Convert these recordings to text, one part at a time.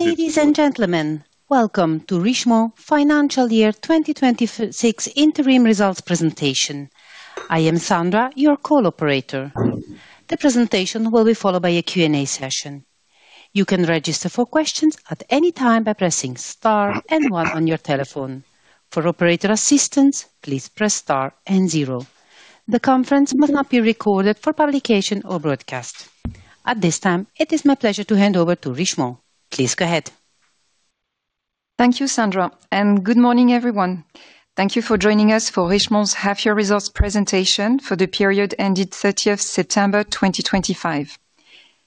Ladies and gentlemen, welcome to Richemont Financial Year 2026 interim results presentation. I am Sandra, your co-operator. The presentation will be followed by a Q&A session. You can register for questions at any time by pressing star and one on your telephone. For operator assistance, please press star and zero. The conference must not be recorded for publication or broadcast. At this time, it is my pleasure to hand over to Richemont. Please go ahead. Thank you, Sandra, and good morning, everyone. Thank you for joining us for Richemont's half-year results presentation for the period ended 30th September 2025.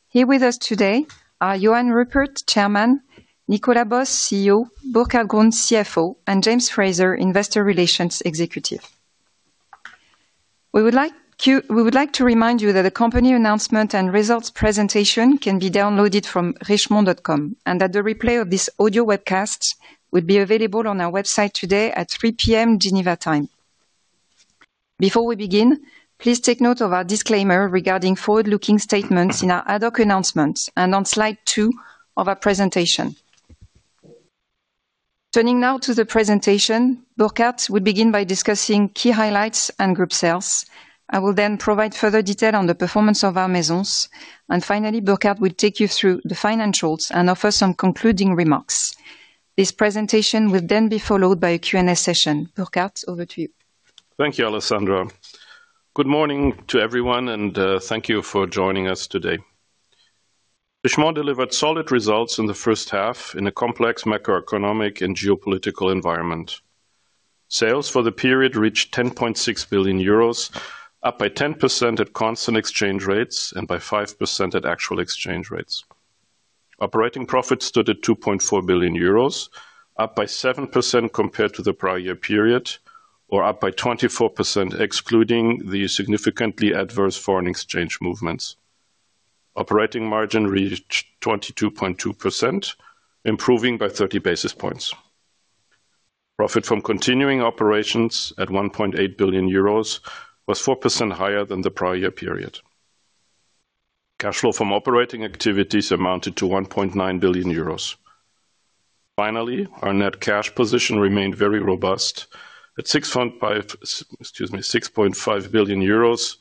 Here with us today are Johann Rupert, Chairman; Nicolas Bos, CEO; Burkhart Grund, CFO; and James Fraser, Investor Relations Executive. We would like to remind you that the company announcement and results presentation can be downloaded from richemont.com, and that the replay of this audio webcast will be available on our website today at 3:00 P.M. Geneva time. Before we begin, please take note of our disclaimer regarding forward-looking statements in our ad hoc announcements and on slide two of our presentation. Turning now to the presentation, Burkhart will begin by discussing key highlights and group sales. I will then provide further detail on the performance of our maisons. Finally, Burkhart will take you through the financials and offer some concluding remarks. This presentation will then be followed by a Q&A session. Burkhart, over to you. Thank you, Alessandra. Good morning to everyone, and thank you for joining us today. Richemont delivered solid results in the first half in a complex macroeconomic and geopolitical environment. Sales for the period reached 10.6 billion euros, up by 10% at constant exchange rates and by 5% at actual exchange rates. Operating profit stood at 2.4 billion euros, up by 7% compared to the prior year period, or up by 24% excluding the significantly adverse foreign exchange movements. Operating margin reached 22.2%, improving by 30 basis points. Profit from continuing operations at 1.8 billion euros was 4% higher than the prior year period. Cash flow from operating activities amounted to 1.9 billion euros. Finally, our net cash position remained very robust at 6.5 billion euros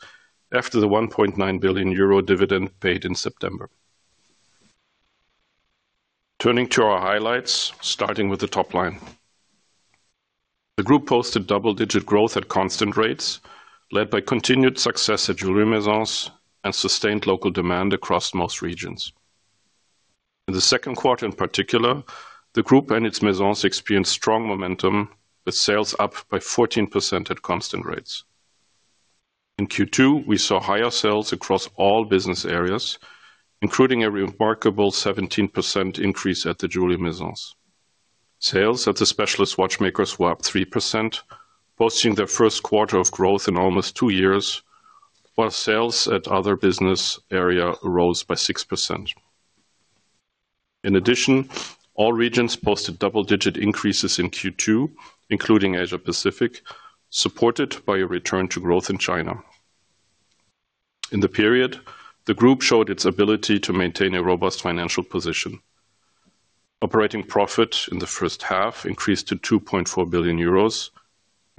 after the 1.9 billion euro dividend paid in September. Turning to our highlights, starting with the top line. The group posted double-digit growth at constant rates, led by continued success at Jewellery Maisons and sustained local demand across most regions. In the second quarter, in particular, the group and its maisons experienced strong momentum, with sales up by 14% at constant rates. In Q2, we saw higher sales across all business areas, including a remarkable 17% increase at the Jewellery Maisons. Sales at the specialist watchmakers were up 3%, posting their first quarter of growth in almost two years, while sales at other business areas rose by 6%. In addition, all regions posted double-digit increases in Q2, including Asia-Pacific, supported by a return to growth in China. In the period, the group showed its ability to maintain a robust financial position. Operating profit in the first half increased to 2.4 billion euros,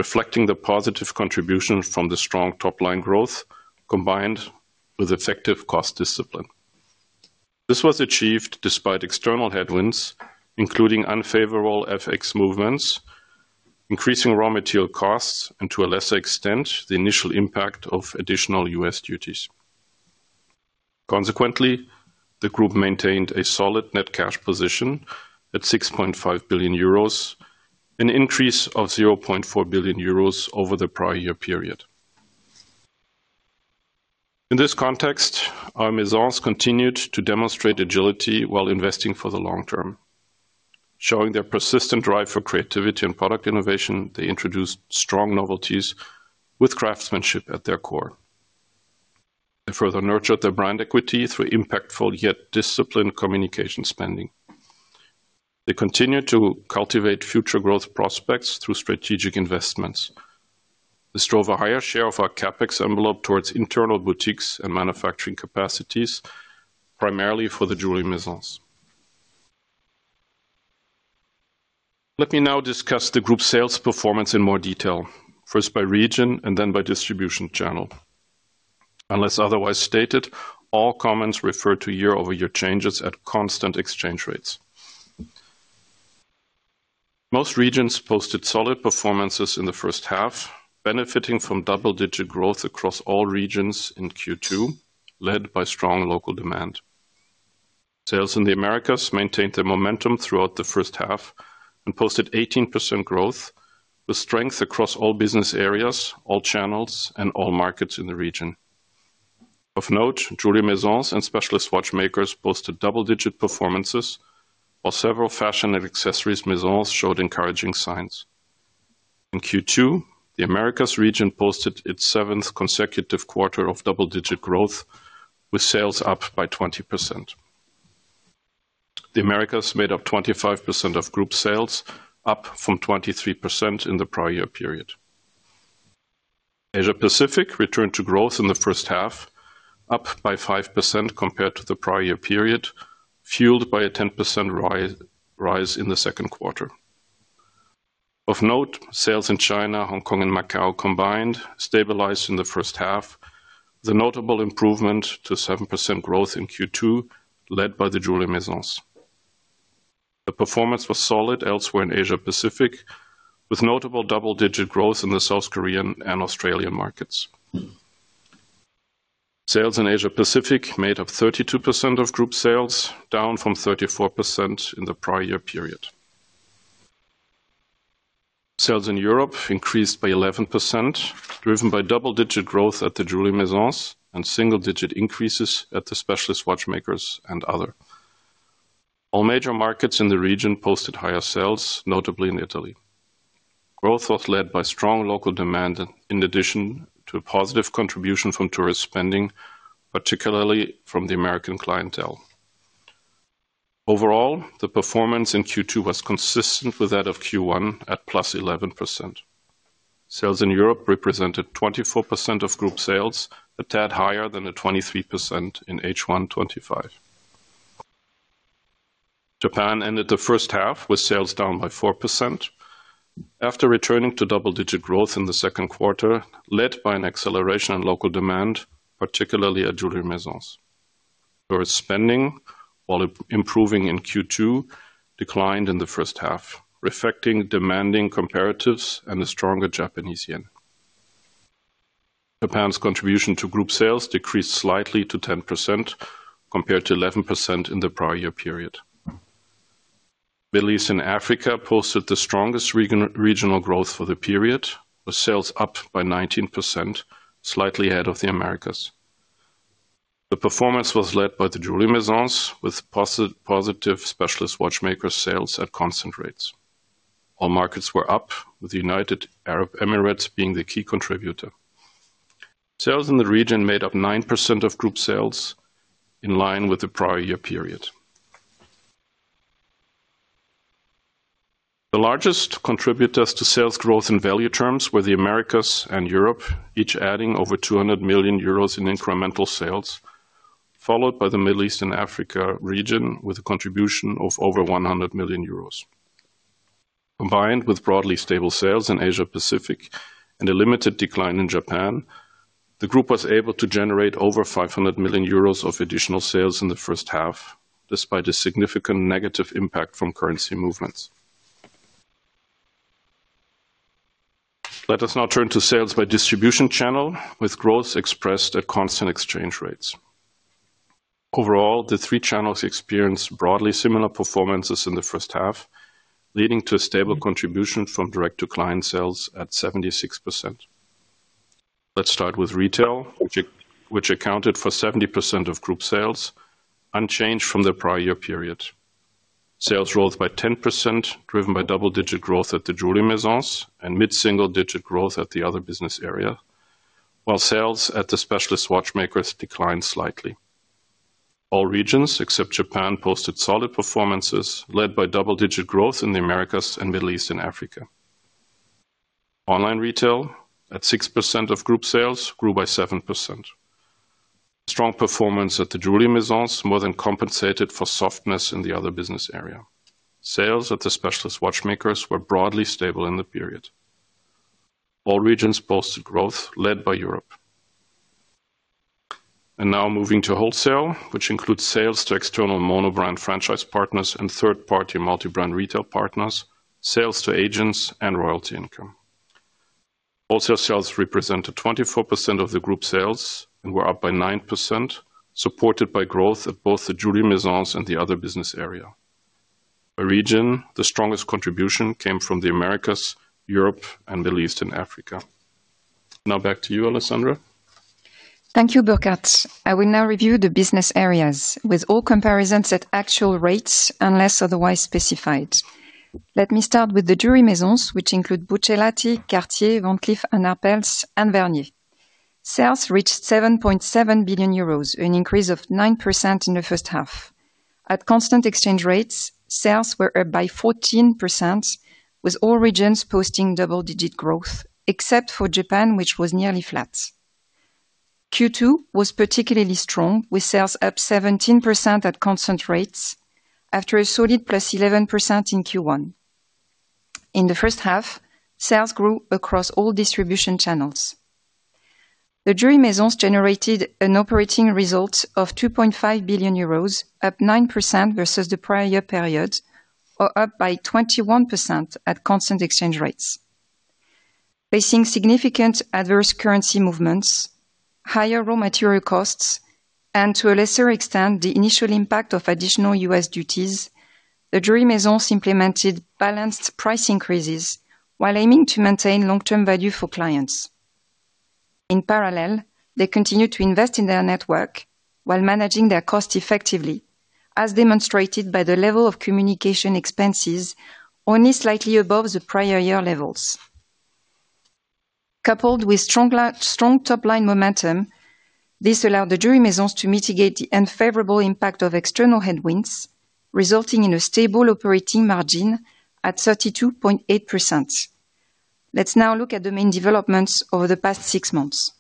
reflecting the positive contribution from the strong top-line growth combined with effective cost discipline. This was achieved despite external headwinds, including unfavorable FX movements, increasing raw material costs, and to a lesser extent, the initial impact of additional U.S. duties. Consequently, the group maintained a solid net cash position at 6.5 billion euros, an increase of 0.4 billion euros over the prior year period. In this context, our maisons continued to demonstrate agility while investing for the long term. Showing their persistent drive for creativity and product innovation, they introduced strong novelties with craftsmanship at their core. They further nurtured their brand equity through impactful yet disciplined communication spending. They continued to cultivate future growth prospects through strategic investments. They strove a higher share of our CapEx envelope towards internal boutiques and manufacturing capacities, primarily for the Jewellery Maisons. Let me now discuss the group's sales performance in more detail, first by region and then by distribution channel. Unless otherwise stated, all comments refer to year-over-year changes at constant exchange rates. Most regions posted solid performances in the first half, benefiting from double-digit growth across all regions in Q2, led by strong local demand. Sales in the Americas maintained their momentum throughout the first half and posted 18% growth, with strength across all business areas, all channels, and all markets in the region. Of note, Jewellery Maisons and specialist watchmakers posted double-digit performances, while several fashion and accessories maisons showed encouraging signs. In Q2, the Americas region posted its seventh consecutive quarter of double-digit growth, with sales up by 20%. The Americas made up 25% of group sales, up from 23% in the prior year period. Asia-Pacific returned to growth in the first half, up by 5% compared to the prior year period, fueled by a 10% rise in the second quarter. Of note, sales in China, Hong Kong, and Macao combined stabilized in the first half, with a notable improvement to 7% growth in Q2, led by the Jewellery Maisons. The performance was solid elsewhere in Asia-Pacific, with notable double-digit growth in the South Korean and Australian markets. Sales in Asia-Pacific made up 32% of group sales, down from 34% in the prior year period. Sales in Europe increased by 11%, driven by double-digit growth at the Jewellery Maisons and single-digit increases at the specialist watchmakers and others. All major markets in the region posted higher sales, notably in Italy. Growth was led by strong local demand, in addition to a positive contribution from tourist spending, particularly from the American clientele. Overall, the performance in Q2 was consistent with that of Q1 at +11%. Sales in Europe represented 24% of group sales, a tad higher than the 23% in H1 2025. Japan ended the first half with sales down by 4% after returning to double-digit growth in the second quarter, led by an acceleration in local demand, particularly at Jewellery Maisons. Tourist spending, while improving in Q2, declined in the first half, reflecting demanding comparatives and a stronger Japanese yen. Japan's contribution to group sales decreased slightly to 10% compared to 11% in the prior year period. Middle East and Africa posted the strongest regional growth for the period, with sales up by 19%, slightly ahead of the Americas. The performance was led by the Jewellery Maisons, with positive specialist watchmaker sales at constant rates. All markets were up, with the United Arab Emirates being the key contributor. Sales in the region made up 9% of group sales, in line with the prior year period. The largest contributors to sales growth in value terms were the Americas and Europe, each adding over 200 million euros in incremental sales, followed by the Middle East and Africa region with a contribution of over 100 million euros. Combined with broadly stable sales in Asia-Pacific and a limited decline in Japan, the group was able to generate over 500 million euros of additional sales in the first half, despite a significant negative impact from currency movements. Let us now turn to sales by distribution channel, with growth expressed at constant exchange rates. Overall, the three channels experienced broadly similar performances in the first half, leading to a stable contribution from direct-to-client sales at 76%. Let's start with retail, which accounted for 70% of group sales, unchanged from the prior year period. Sales rose by 10%, driven by double-digit growth at the Jewellery Maisons and mid-single-digit growth at the other business areas, while sales at the specialist watchmakers declined slightly. All regions, except Japan, posted solid performances, led by double-digit growth in the Americas and Middle East and Africa. Online retail, at 6% of group sales, grew by 7%. Strong performance at the Jewellery Maisons more than compensated for softness in the other business area. Sales at the specialist watchmakers were broadly stable in the period. All regions posted growth, led by Europe. Now moving to wholesale, which includes sales to external monobrand franchise partners and third-party multi-brand retail partners, sales to agents, and royalty income. Wholesale sales represented 24% of the group sales and were up by 9%, supported by growth at both the Jewellery Maisons and the other business area. By region, the strongest contribution came from the Americas, Europe, and Middle East and Africa. Now back to you, Alessandra. Thank you, Burkhart. I will now review the business areas, with all comparisons at actual rates unless otherwise specified. Let me start with the Jewellery Maisons, which include Buccellati, Cartier, Van Cleef & Arpels, and Vhernier. Sales reached 7.7 billion euros, an increase of 9% in the first half. At constant exchange rates, sales were up by 14%, with all regions posting double-digit growth, except for Japan, which was nearly flat. Q2 was particularly strong, with sales up 17% at constant rates, after a solid +11% in Q1. In the first half, sales grew across all distribution channels. The Jewellery Maisons generated an operating result of 2.5 billion euros, up 9% versus the prior year period, or up by 21% at constant exchange rates. Facing significant adverse currency movements, higher raw material costs, and to a lesser extent, the initial impact of additional U.S. duties, the Jewellery Maisons implemented balanced price increases while aiming to maintain long-term value for clients. In parallel, they continued to invest in their network while managing their costs effectively, as demonstrated by the level of communication expenses only slightly above the prior year levels. Coupled with strong top-line momentum, this allowed the Jewellery Maisons to mitigate the unfavorable impact of external headwinds, resulting in a stable operating margin at 32.8%. Let's now look at the main developments over the past six months.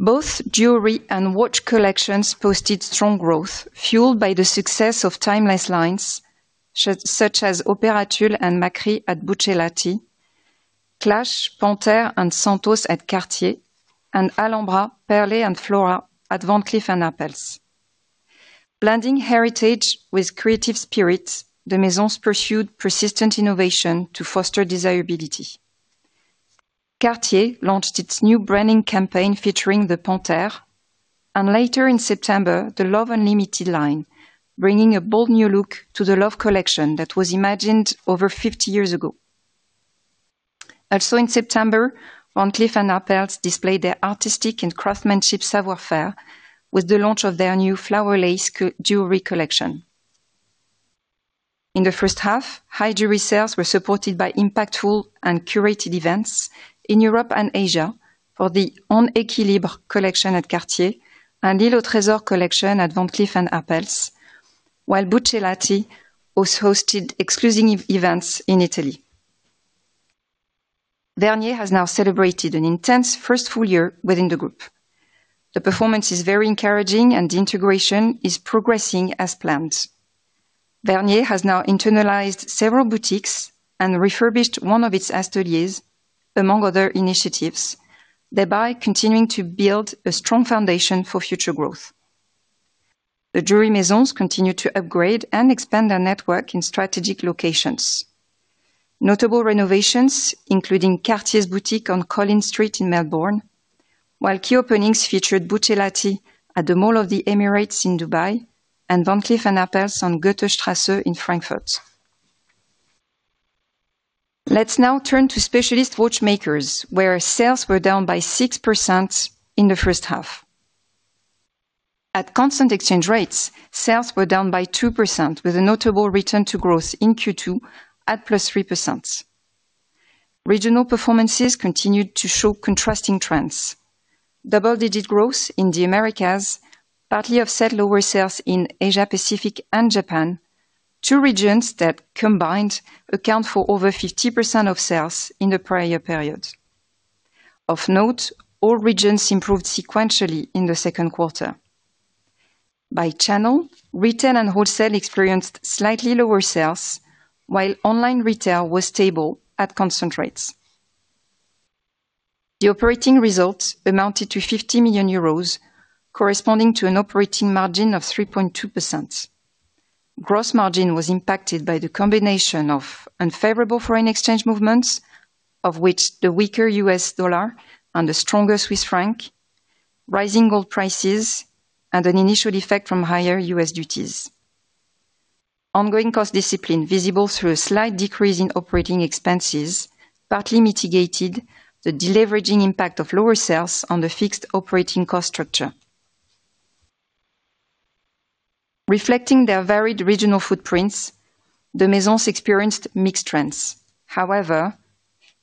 Both jewellery and watch collections posted strong growth, fueled by the success of timeless lines such as Opera Tulle and Macri at Buccellati, Clash, Panthère and Santos at Cartier, and Alhambra, Perlée and Flora at Van Cleef & Arpels. Blending heritage with creative spirit, the Maisons pursued persistent innovation to foster desirability. Cartier launched its new branding campaign featuring the Panthère, and later in September, the Love Unlimited line, bringing a bold new look to the Love collection that was imagined over 50 years ago. Also in September, Van Cleef & Arpels displayed their artistic and craftsmanship savoir-faire with the launch of their new Flowerlace jewellery collection. In the first half, high jewellery sales were supported by impactful and curated events in Europe and Asia for the En Équilibre collection at Cartier and L'Île au Trésor at Van Cleef &Arpels while Buccellati also hosted exclusive events in Italy. Vhernier has now celebrated an intense first full year within the group. The performance is very encouraging and the integration is progressing as planned. Vhernier has now internalized several boutiques and refurbished one of its ateliers, among other initiatives, thereby continuing to build a strong foundation for future growth. The Jewellery Maisons continue to upgrade and expand their network in strategic locations. Notable renovations, including Cartier's boutique on Collins Street in Melbourne, while key openings featured Buccellati at the Mall of the Emirates in Dubai and Van Cleef & Arpels on Goethestrasse in Frankfurt. Let's now turn to specialist watchmakers, where sales were down by 6% in the first half. At constant exchange rates, sales were down by 2%, with a notable return to growth in Q2 at +3%. Regional performances continued to show contrasting trends. Double-digit growth in the Americas partly offset lower sales in Asia-Pacific and Japan, two regions that combined account for over 50% of sales in the prior year period. Of note, all regions improved sequentially in the second quarter. By channel, retail and wholesale experienced slightly lower sales, while online retail was stable at constant rates. The operating result amounted to 50 million euros, corresponding to an operating margin of 3.2%. Gross margin was impacted by the combination of unfavorable foreign exchange movements, of which the weaker U.S. dollar and the stronger Swiss franc, rising gold prices, and an initial effect from higher U.S. duties. Ongoing cost discipline visible through a slight decrease in operating expenses partly mitigated the deleveraging impact of lower sales on the fixed operating cost structure. Reflecting their varied regional footprints, the Maisons experienced mixed trends. However,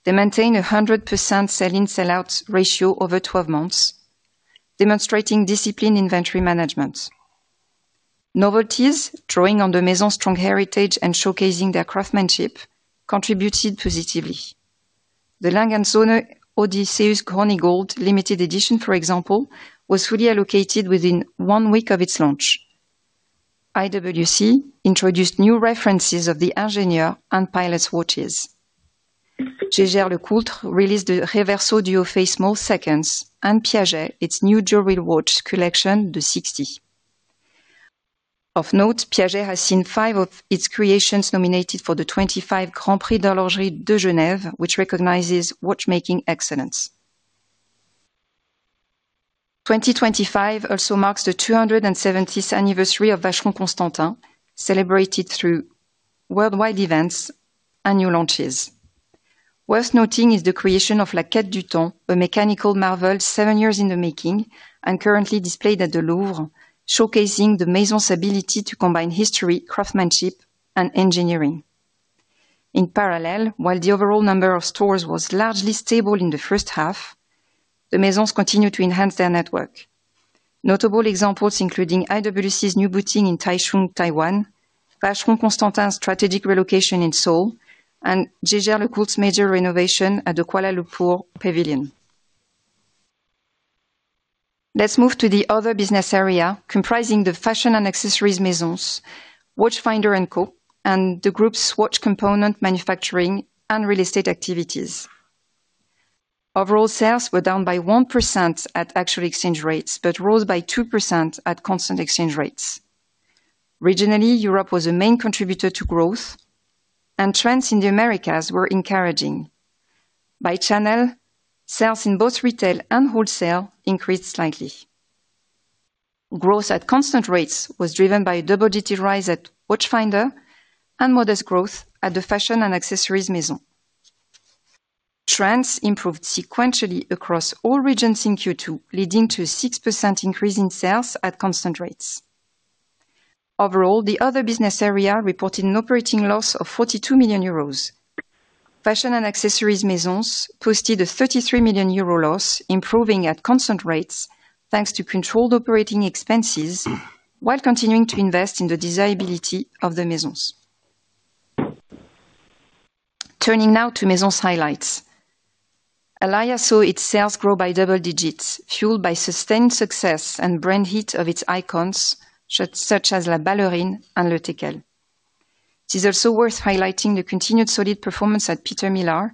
they maintained a 100% sell-in/sell-out ratio over 12 months, demonstrating disciplined inventory management. Novelties, drawing on the Maisons' strong heritage and showcasing their craftsmanship, contributed positively. The A. Lange & Söhne Odysseus Chronicle Limited Edition, for example, was fully allocated within one week of its launch. IWC introduced new references of the Ingenieur and Pilot watches. Jaeger-LeCoultre released the Reverso Duoface Small Seconds and Piaget, its new jewellery watch collection, the Sixtie. Of note, Piaget has seen five of its creations nominated for the 2025 Grand Prix d'Horlogerie de Genève, which recognizes watchmaking excellence. 2025 also marks the 270th anniversary of Vacheron Constantin, celebrated through worldwide events and new launches. Worth noting is the creation of La Quête du Temps, a mechanical marvel seven years in the making and currently displayed at the Louvre, showcasing the Maisons' ability to combine history, craftsmanship, and engineering. In parallel, while the overall number of stores was largely stable in the first half, the Maisons continued to enhance their network. Notable examples include IWC's new boutique in Taichung, Taiwan, Vacheron Constantin's strategic relocation in Seoul, and Jaeger-LeCoultre's major renovation at the Kuala Lumpur Pavilion. Let's move to the other business area comprising the Fashion & Accessories Maisons, Watchfinder & Co., and the group's watch component manufacturing and real estate activities. Overall, sales were down by 1% at actual exchange rates but rose by 2% at constant exchange rates. Regionally, Europe was a main contributor to growth, and trends in the Americas were encouraging. By channel, sales in both retail and wholesale increased slightly. Growth at constant rates was driven by double-digit rise at Watchfinder and modest growth at the Fashion & Accessories Maisons. Trends improved sequentially across all regions in Q2, leading to a 6% increase in sales at constant rates. Overall, the other business area reported an operating loss of 42 million euros. Fashion & Accessories Maisons posted a 33 million euro loss, improving at constant rates thanks to controlled operating expenses while continuing to invest in the desirability of the Maisons. Turning now to Maisons' highlights. Alaïa saw its sales grow by double digits, fueled by sustained success and brand heat of its icons such as La Ballerine and Le Teckel. It is also worth highlighting the continued solid performance at Peter Millar,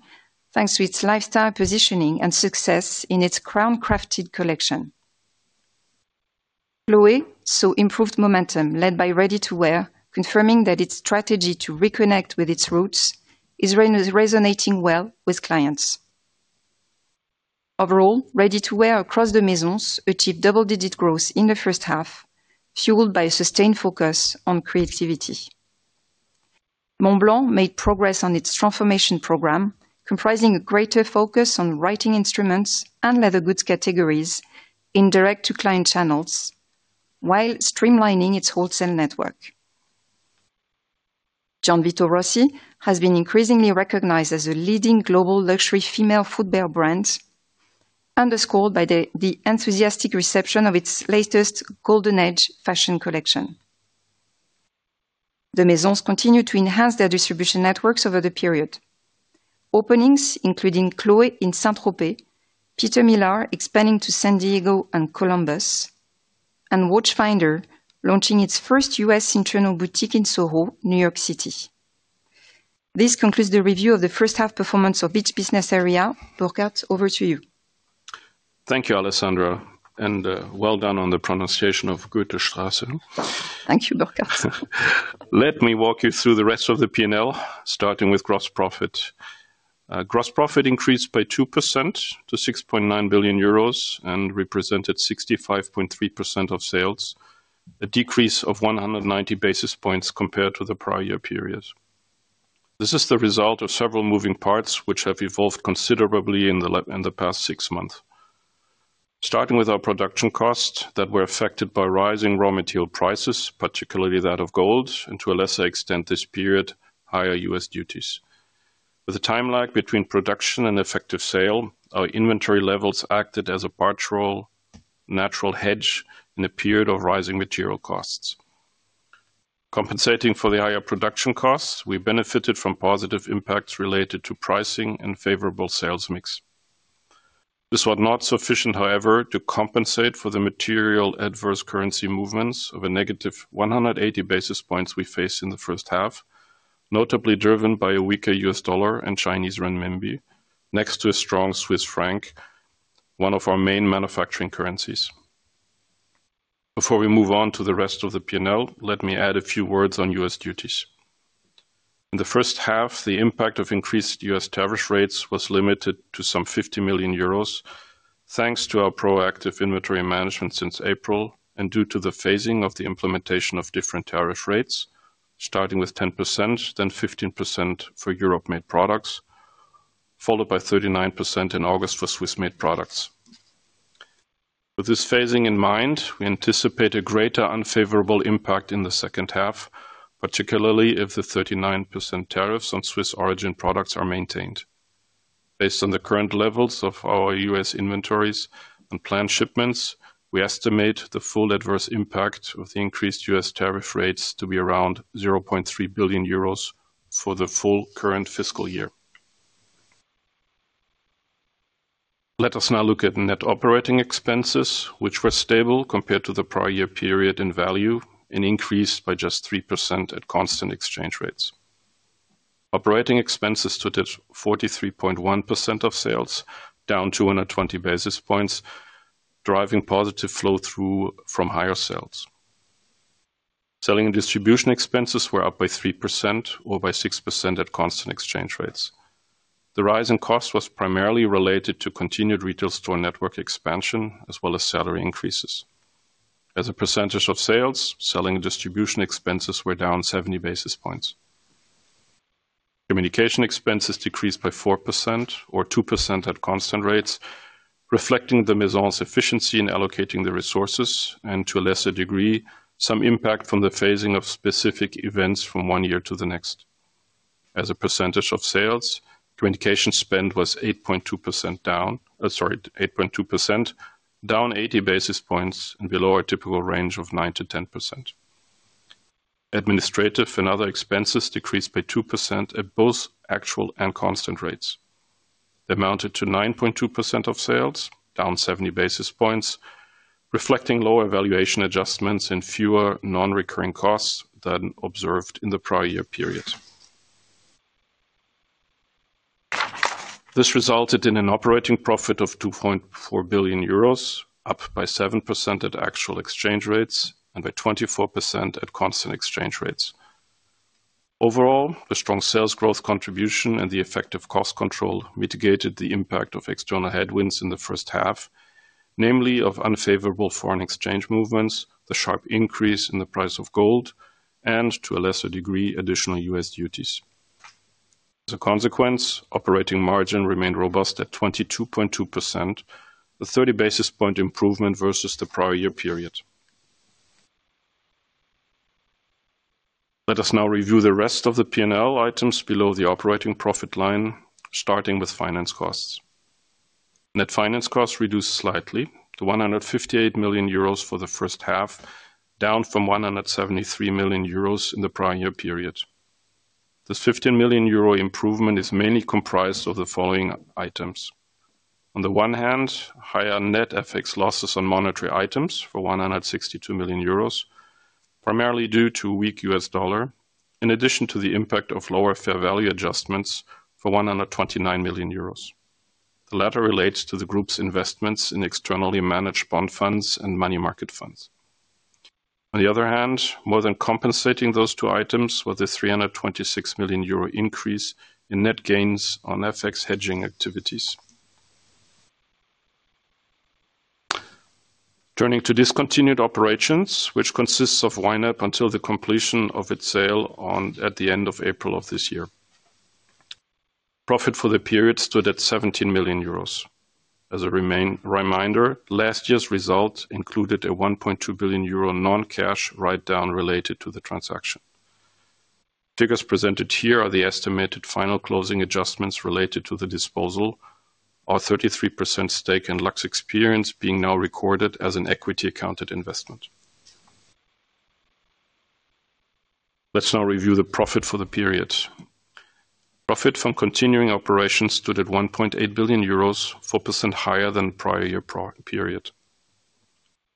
thanks to its lifestyle positioning and success in its crown-crafted collection. Chloé saw improved momentum led by ready-to -wear, confirming that its strategy to reconnect with its roots is resonating well with clients. Overall, ready-to-wear across the Maisons achieved double-digit growth in the first half, fueled by a sustained focus on creativity. Montblanc made progress on its transformation program, comprising a greater focus on writing instruments and leather goods categories in direct-to-client channels, while streamlining its wholesale network. Gianvito Rossi has been increasingly recognized as a leading global luxury female footwear brand, underscored by the enthusiastic reception of its latest Golden Age fashion collection. The Maisons continue to enhance their distribution networks over the period. Openings including Chloé in Saint-Tropez, Peter Millar expanding to San Diego and Columbus, and Watchfinder launching its first U.S. internal boutique in SoHo, New York City. This concludes the review of the first half performance of each business area. Burkhart, over to you. Thank you, Alessandra, and well done on the pronunciation of Goethestrasse. Thank you, Burkhart. Let me walk you through the rest of the P&L, starting with gross profit. Gross profit increased by 2% to 6.9 billion euros and represented 65.3% of sales, a decrease of 190 basis points compared to the prior year period. This is the result of several moving parts which have evolved considerably in the past six months. Starting with our production costs that were affected by rising raw material prices, particularly that of gold, and to a lesser extent this period, higher U.S. duties. With a time lag between production and effective sale, our inventory levels acted as a barter roll, natural hedge in a period of rising material costs. Compensating for the higher production costs, we benefited from positive impacts related to pricing and favorable sales mix. This was not sufficient, however, to compensate for the material adverse currency movements of a -180 basis points we faced in the first half, notably driven by a weaker U.S. dollar and Chinese renminbi, next to a strong Swiss franc, one of our main manufacturing currencies. Before we move on to the rest of the P&L, let me add a few words on US duties. In the first half, the impact of increased U.S. tariff rates was limited to some 50 million euros, thanks to our proactive inventory management since April and due to the phasing of the implementation of different tariff rates, starting with 10%, then 15% for Europe-made products, followed by 39% in August for Swiss-made products. With this phasing in mind, we anticipate a greater unfavorable impact in the second half, particularly if the 39% tariffs on Swiss origin products are maintained. Based on the current levels of our U.S. inventories and planned shipments, we estimate the full adverse impact of the increased U.S. tariff rates to be around 0.3 billion euros for the full current fiscal year. Let us now look at net operating expenses, which were stable compared to the prior year period in value and increased by just 3% at constant exchange rates. Operating expenses stood at 43.1% of sales, down 220 basis points, driving positive flow through from higher sales. Selling and distribution expenses were up by 3% or by 6% at constant exchange rates. The rise in cost was primarily related to continued retail store network expansion as well as salary increases. As a percentage of sales, selling and distribution expenses were down 70 basis points. Communication expenses decreased by 4% or 2% at constant rates, reflecting the Maisons' efficiency in allocating the resources and, to a lesser degree, some impact from the phasing of specific events from one year to the next. As a percentage of sales, communication spend was 8.2%, down 80 basis points and below a typical range of 9%-10%. Administrative and other expenses decreased by 2% at both actual and constant rates. They amounted to 9.2% of sales, down 70 basis points, reflecting lower valuation adjustments and fewer non-recurring costs than observed in the prior year period. This resulted in an operating profit of 2.4 billion euros, up by 7% at actual exchange rates and by 24% at constant exchange rates. Overall, the strong sales growth contribution and the effective cost control mitigated the impact of external headwinds in the first half, namely of unfavorable foreign exchange movements, the sharp increase in the price of gold, and, to a lesser degree, additional U.S. duties. As a consequence, operating margin remained robust at 22.2%, a 30 basis point improvement versus the prior year period. Let us now review the rest of the P&L items below the operating profit line, starting with finance costs. Net finance costs reduced slightly to 158 million euros for the first half, down from 173 million euros in the prior year period. This 15 million euro improvement is mainly comprised of the following items. On the one hand, higher net FX losses on monetary items for 162 million euros, primarily due to weak U.S. dollar, in addition to the impact of lower fair value adjustments for 129 million euros. The latter relates to the group's investments in externally managed bond funds and money market funds. On the other hand, more than compensating those two items was the 326 million euro increase in net gains on FX hedging activities. Turning to discontinued operations, which consists of wind-up until the completion of its sale at the end of April of this year. Profit for the period stood at 17 million euros. As a reminder, last year's result included a 1.2 billion euro non-cash write-down related to the transaction. Figures presented here are the estimated final closing adjustments related to the disposal, our 33% stake in LuxExperience being now recorded as an equity-accounted investment. Let's now review the profit for the period. Profit from continuing operations stood at 1.8 billion euros, 4% higher than the prior year period.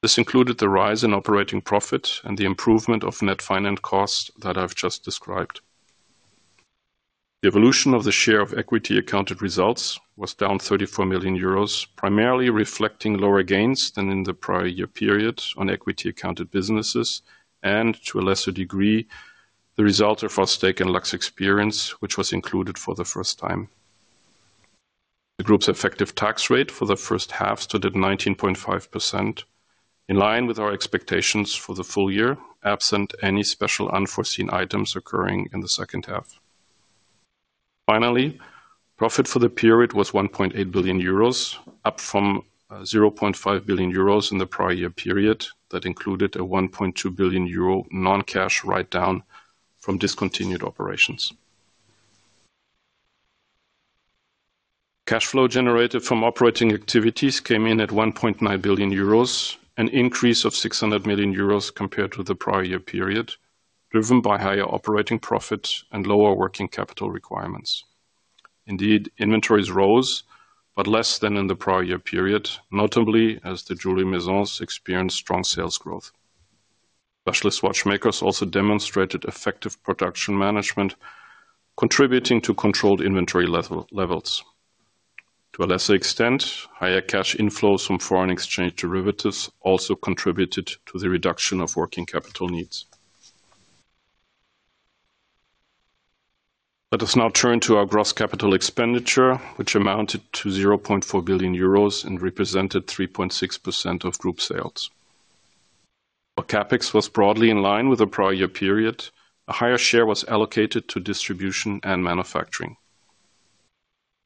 This included the rise in operating profit and the improvement of net finance costs that I've just described. The evolution of the share of equity-accounted results was down 34 million euros, primarily reflecting lower gains than in the prior year period on equity-accounted businesses and, to a lesser degree, the result of our stake in LuxExperience, which was included for the first time. The group's effective tax rate for the first half stood at 19.5%, in line with our expectations for the full year, absent any special unforeseen items occurring in the second half. Finally, profit for the period was 1.8 billion euros, up from 0.5 billion euros in the prior year period that included a 1.2 billion euro non-cash write-down from discontinued operations. Cash flow generated from operating activities came in at 1.9 billion euros, an increase of 600 million euros compared to the prior year period, driven by higher operating profit and lower working capital requirements. Indeed, inventories rose, but less than in the prior year period, notably as the Jewellery Maisons experienced strong sales growth. Specialist watchmakers also demonstrated effective production management, contributing to controlled inventory levels. To a lesser extent, higher cash inflows from foreign exchange derivatives also contributed to the reduction of working capital needs. Let us now turn to our gross capital expenditure, which amounted to 0.4 billion euros and represented 3.6% of group sales. While CapEx was broadly in line with the prior year period, a higher share was allocated to distribution and manufacturing.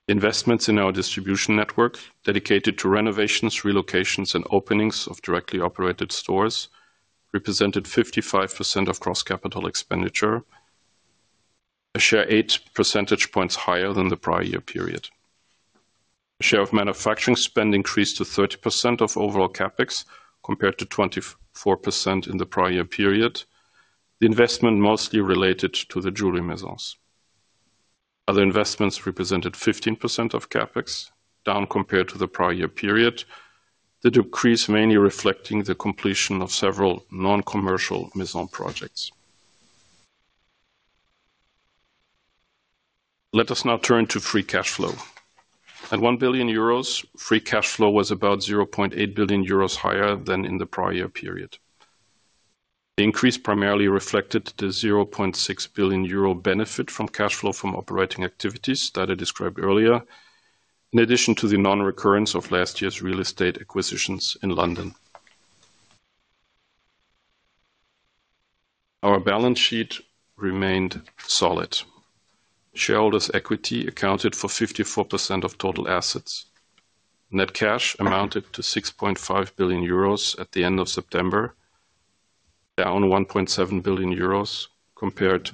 Investments in our distribution network, dedicated to renovations, relocations, and openings of directly operated stores, represented 55% of gross capital expenditure, a share 8 percentage points higher than the prior year period. The share of manufacturing spend increased to 30% of overall CapEx compared to 24% in the prior year period, the investment mostly related to the Jewellery Maisons. Other investments represented 15% of CapEx, down compared to the prior year period, the decrease mainly reflecting the completion of several non-commercial Maison projects. Let us now turn to free cash flow. At 1 billion euros, free cash flow was about 0.8 billion euros higher than in the prior year period. The increase primarily reflected the 0.6 billion euro benefit from cash flow from operating activities that I described earlier, in addition to the non-recurrence of last year's real estate acquisitions in London. Our balance sheet remained solid. Shareholders' equity accounted for 54% of total assets. Net cash amounted to 6.5 billion euros at the end of September, down 1.7 billion euros compared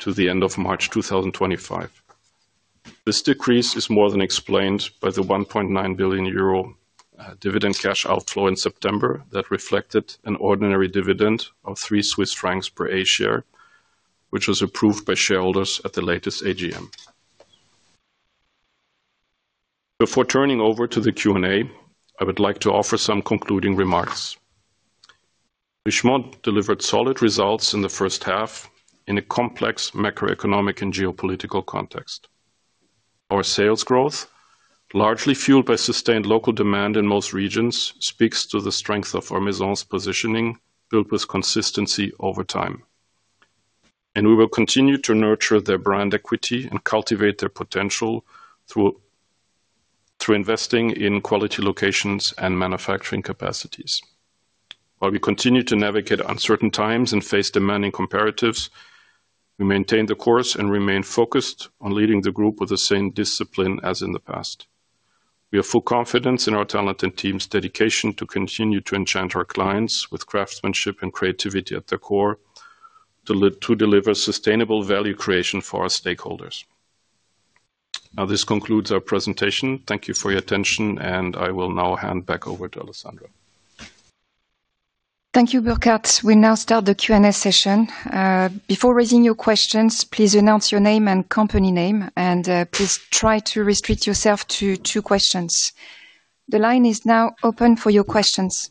to the end of March 2025. This decrease is more than explained by the 1.9 billion euro dividend cash outflow in September that reflected an ordinary dividend of 3 Swiss franc per A-share, which was approved by shareholders at the latest AGM. Before turning over to the Q&A, I would like to offer some concluding remarks. Richemont delivered solid results in the first half in a complex macroeconomic and geopolitical context. Our sales growth, largely fueled by sustained local demand in most regions, speaks to the strength of our Maisons' positioning built with consistency over time. We will continue to nurture their brand equity and cultivate their potential through investing in quality locations and manufacturing capacities. While we continue to navigate uncertain times and face demanding comparatives, we maintain the course and remain focused on leading the group with the same discipline as in the past. We have full confidence in our talented team's dedication to continue to enchant our clients with craftsmanship and creativity at their core to deliver sustainable value creation for our stakeholders. Now, this concludes our presentation. Thank you for your attention, and I will now hand back over to Alessandra. Thank you, Burkhart. We now start the Q&A session. Before raising your questions, please announce your name and company name, and please try to restrict yourself to two questions. The line is now open for your questions.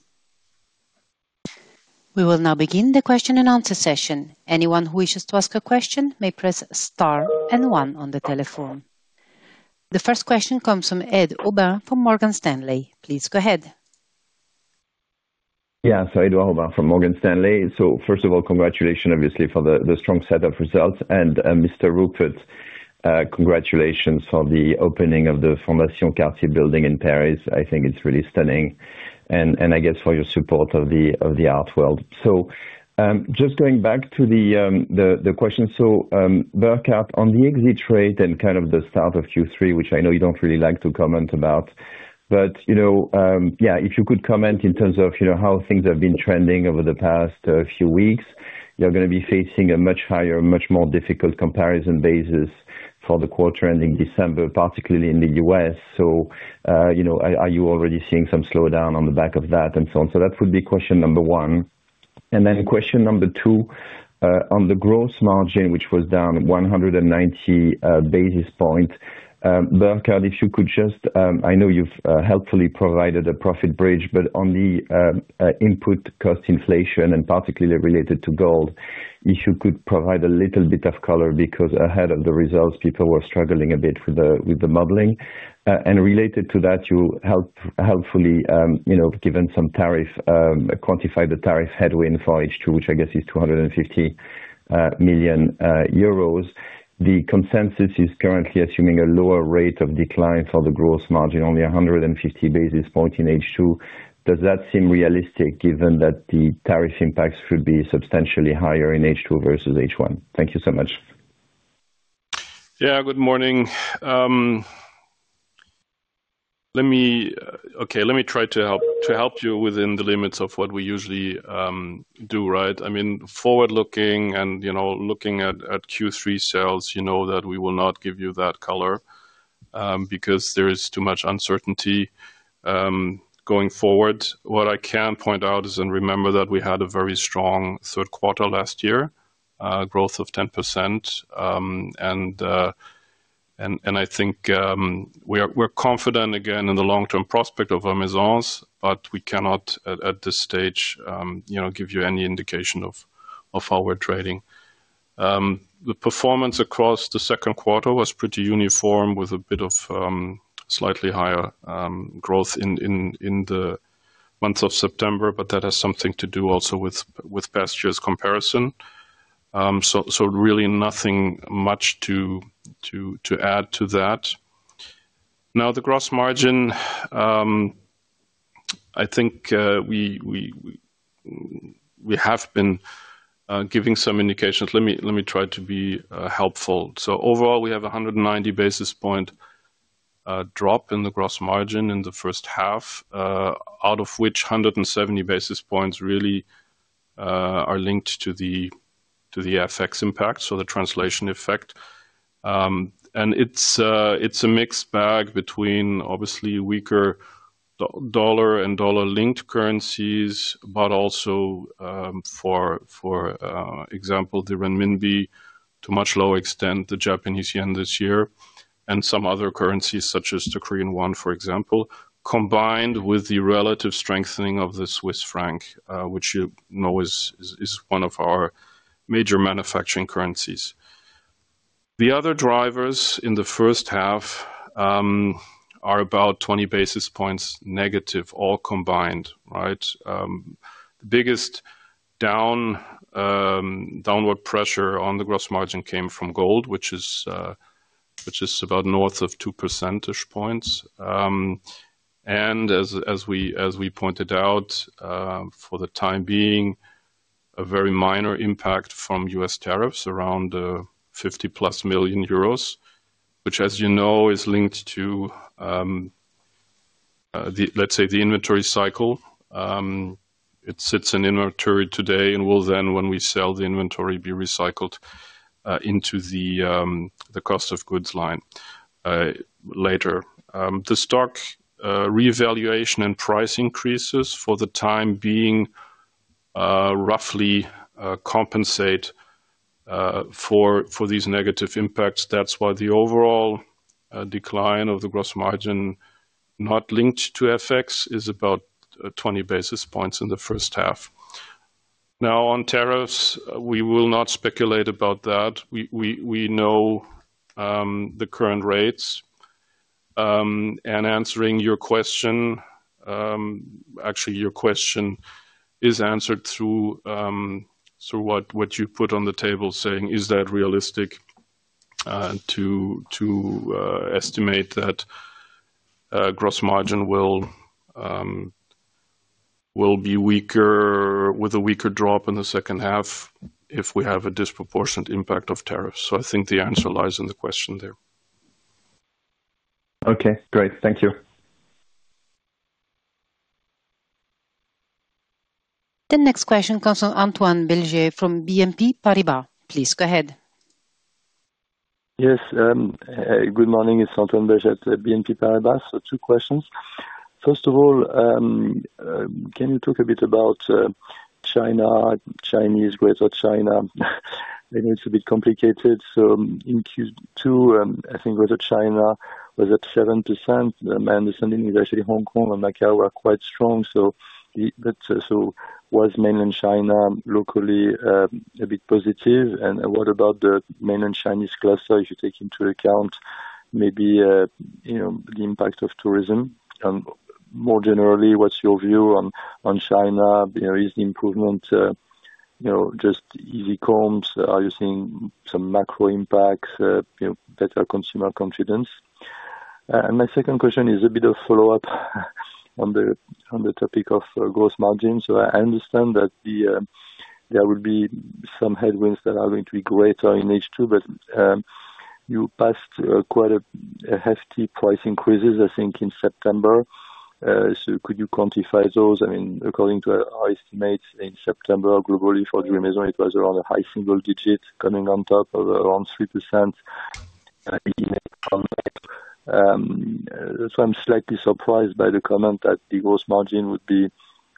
We will now begin the question and answer session. Anyone who wishes to ask a question may press star and one on the telephone. The first question comes from Ed Aubin from Morgan Stanley. Please go ahead. Yeah, so Ed Aubin from Morgan Stanley. First of all, congratulations, obviously, for the strong set of results. Mr. Rupert, congratulations on the opening of the Fondation Cartier building in Paris. I think it's really stunning. I guess for your support of the art world. Just going back to the question, Burkhart, on the exit rate and kind of the start of Q3, which I know you don't really like to comment about, but yeah, if you could comment in terms of how things have been trending over the past few weeks, you're going to be facing a much higher, much more difficult comparison basis for the quarter ending December, particularly in the U.S. Are you already seeing some slowdown on the back of that and so on? That would be question number one. Question number two, on the gross margin, which was down 190 basis points, Burkhart, if you could just, I know you have helpfully provided a profit bridge, but on the input cost inflation and particularly related to gold, if you could provide a little bit of color because ahead of the results, people were struggling a bit with the modeling. Related to that, you have helpfully given some tariff, quantified the tariff headwind for H2, which I guess is 250 million euros. The consensus is currently assuming a lower rate of decline for the gross margin, only 150 basis points in H2. Does that seem realistic given that the tariff impacts should be substantially higher in H2 versus H1? Thank you so much. Yeah, good morning. Okay, let me try to help you within the limits of what we usually do, right? I mean, forward-looking and looking at Q3 sales, you know that we will not give you that color because there is too much uncertainty going forward. What I can point out is and remember that we had a very strong third quarter last year, growth of 10%. I think we're confident again in the long-term prospect of our Maisons, but we cannot at this stage give you any indication of how we're trading. The performance across the second quarter was pretty uniform with a bit of slightly higher growth in the month of September, but that has something to do also with past years' comparison. Really nothing much to add to that. Now, the gross margin, I think we have been giving some indications. Let me try to be helpful. Overall, we have a 190 basis point drop in the gross margin in the first half, out of which 170 basis points really are linked to the FX impact, so the translation effect. It is a mixed bag between, obviously, weaker dollar and dollar-linked currencies, but also, for example, the renminbi, to a much lower extent, the Japanese yen this year, and some other currencies such as the Korean won, for example, combined with the relative strengthening of the Swiss franc, which you know is one of our major manufacturing currencies. The other drivers in the first half are about 20 basis points negative, all combined, right? The biggest downward pressure on the gross margin came from gold, which is about north of 2 percentage points. As we pointed out, for the time being, a very minor impact from U.S. tariffs, around 50 million euros-plus, which, as you know, is linked to, let's say, the inventory cycle. It sits in inventory today and will then, when we sell the inventory, be recycled into the cost of goods line later. The stock reevaluation and price increases, for the time being, roughly compensate for these negative impacts. That's why the overall decline of the gross margin, not linked to FX, is about 20 basis points in the first half. Now, on tariffs, we will not speculate about that. We know the current rates. Answering your question, actually, your question is answered through what you put on the table saying, is that realistic to estimate that gross margin will be weaker with a weaker drop in the second half if we have a disproportionate impact of tariffs? I think the answer lies in the question there. Okay, great. Thank you. The next question comes from Antoine Belge from BNP Paribas. Please go ahead. Yes, good morning. It's Antoine Belge at BNP Paribas. Two questions. First of all, can you talk a bit about China, Chinese, Greater China? I know it's a bit complicated. In Q2, I think Greater China was at 7%. My understanding is actually Hong Kong and Macao are quite strong. Was mainland China locally a bit positive? What about the mainland Chinese cluster if you take into account maybe the impact of tourism? More generally, what's your view on China? Is the improvement just easy comps? Are you seeing some macro impacts, better consumer confidence? My second question is a bit of follow-up on the topic of gross margins. I understand that there will be some headwinds that are going to be greater in H2, but you passed quite hefty price increases, I think, in September. Could you quantify those? I mean, according to our estimates in September, globally for the Maison, it was around a high single digit coming on top of around 3%. I am slightly surprised by the comment that the gross margin would be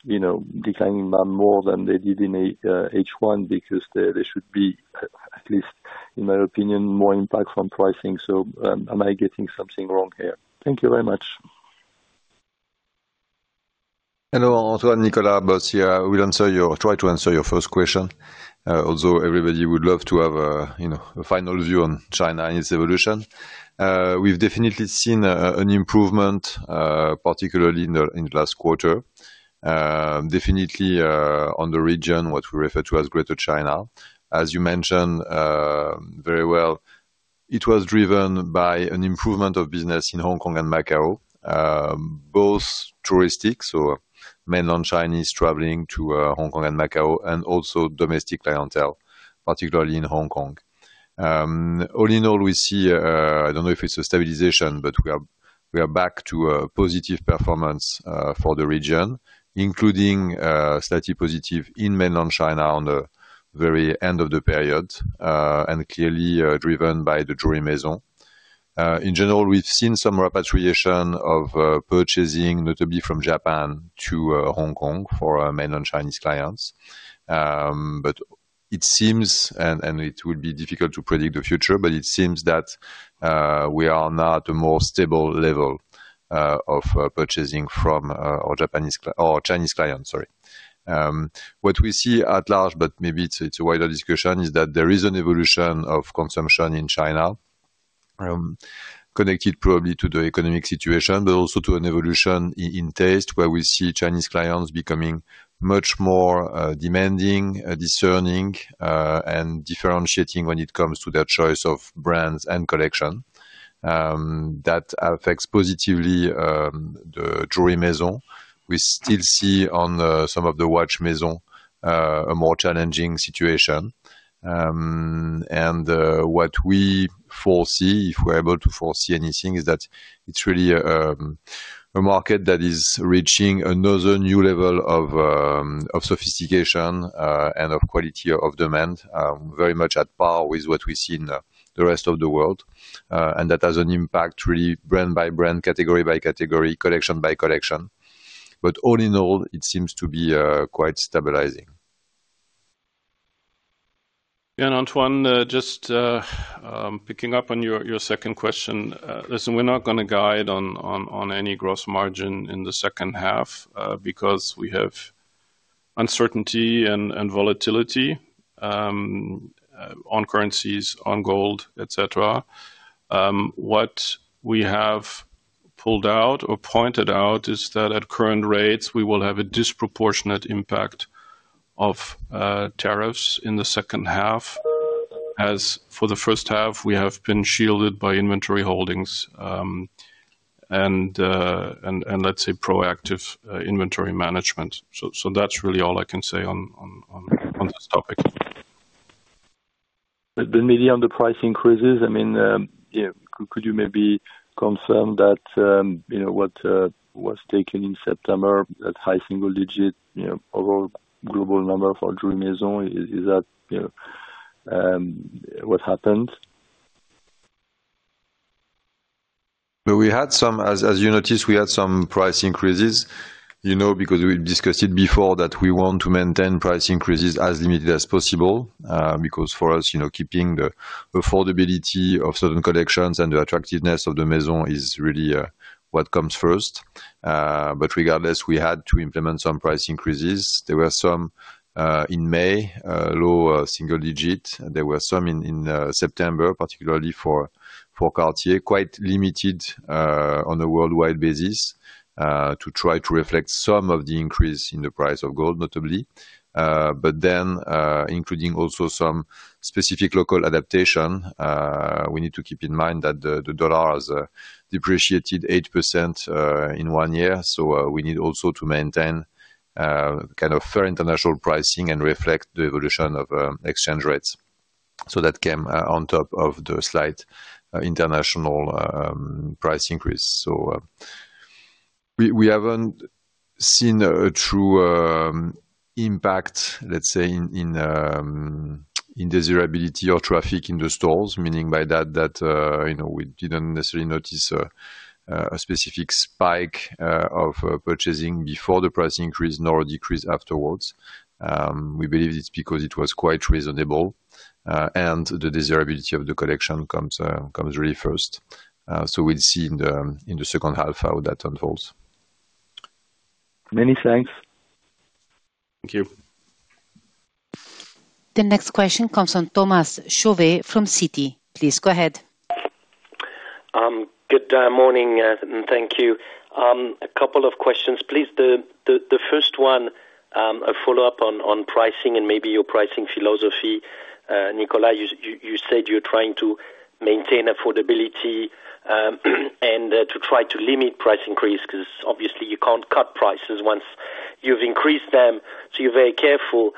declining more than they did in H1 because there should be, at least in my opinion, more impact from pricing. Am I getting something wrong here? Thank you very much. Hello, Antoine. Nicolas Bos, will try to answer your first question, although everybody would love to have a final view on China and its evolution. We've definitely seen an improvement, particularly in the last quarter, definitely on the region, what we refer to as Greater China. As you mentioned very well, it was driven by an improvement of business in Hong Kong and Macao, both touristic, so mainland Chinese traveling to Hong Kong and Macao, and also domestic clientele, particularly in Hong Kong. All in all, we see, I don't know if it's a stabilization, but we are back to positive performance for the region, including slightly positive in mainland China on the very end of the period, and clearly driven by the Jewellery Maison. In general, we've seen some repatriation of purchasing, notably from Japan to Hong Kong for mainland Chinese clients. It seems, and it would be difficult to predict the future, but it seems that we are now at a more stable level of purchasing from our Chinese clients, sorry. What we see at large, but maybe it's a wider discussion, is that there is an evolution of consumption in China, connected probably to the economic situation, but also to an evolution in taste, where we see Chinese clients becoming much more demanding, discerning, and differentiating when it comes to their choice of brands and collection. That affects positively the Jewellery Maison. We still see on some of the watch Maison a more challenging situation. What we foresee, if we're able to foresee anything, is that it's really a market that is reaching another new level of sophistication and of quality of demand, very much at par with what we see in the rest of the world. That has an impact really brand by brand, category by category, collection by collection. All in all, it seems to be quite stabilizing. Yeah, and Antoine, just picking up on your second question, listen, we're not going to guide on any gross margin in the second half because we have uncertainty and volatility on currencies, on gold, etc. What we have pulled out or pointed out is that at current rates, we will have a disproportionate impact of tariffs in the second half, as for the first half, we have been shielded by inventory holdings and, let's say, proactive inventory management. That is really all I can say on this topic. Maybe on the price increases, I mean, could you maybe confirm that what was taken in September, that high single digit overall global number for Jewellery Maison, is that what happened? We had some, as you noticed, we had some price increases because we discussed it before that we want to maintain price increases as limited as possible because for us, keeping the affordability of certain collections and the attractiveness of the Maison is really what comes first. Regardless, we had to implement some price increases. There were some in May, low single digit. There were some in September, particularly for Cartier, quite limited on a worldwide basis to try to reflect some of the increase in the price of gold, notably. Including also some specific local adaptation, we need to keep in mind that the dollar has depreciated 8% in one year. We need also to maintain kind of fair international pricing and reflect the evolution of exchange rates. That came on top of the slight international price increase. We have not seen a true impact, let's say, in desirability or traffic in the stores, meaning by that that we did not necessarily notice a specific spike of purchasing before the price increase nor decrease afterwards. We believe it is because it was quite reasonable and the desirability of the collection comes really first. We will see in the second half how that unfolds. Many thanks. Thank you. The next question comes from Thomas Chauvet from Citi. Please go ahead. Good morning and thank you. A couple of questions, please. The first one, a follow-up on pricing and maybe your pricing philosophy. Nicolas, you said you're trying to maintain affordability and to try to limit price increase because obviously you can't cut prices once you've increased them. So you're very careful.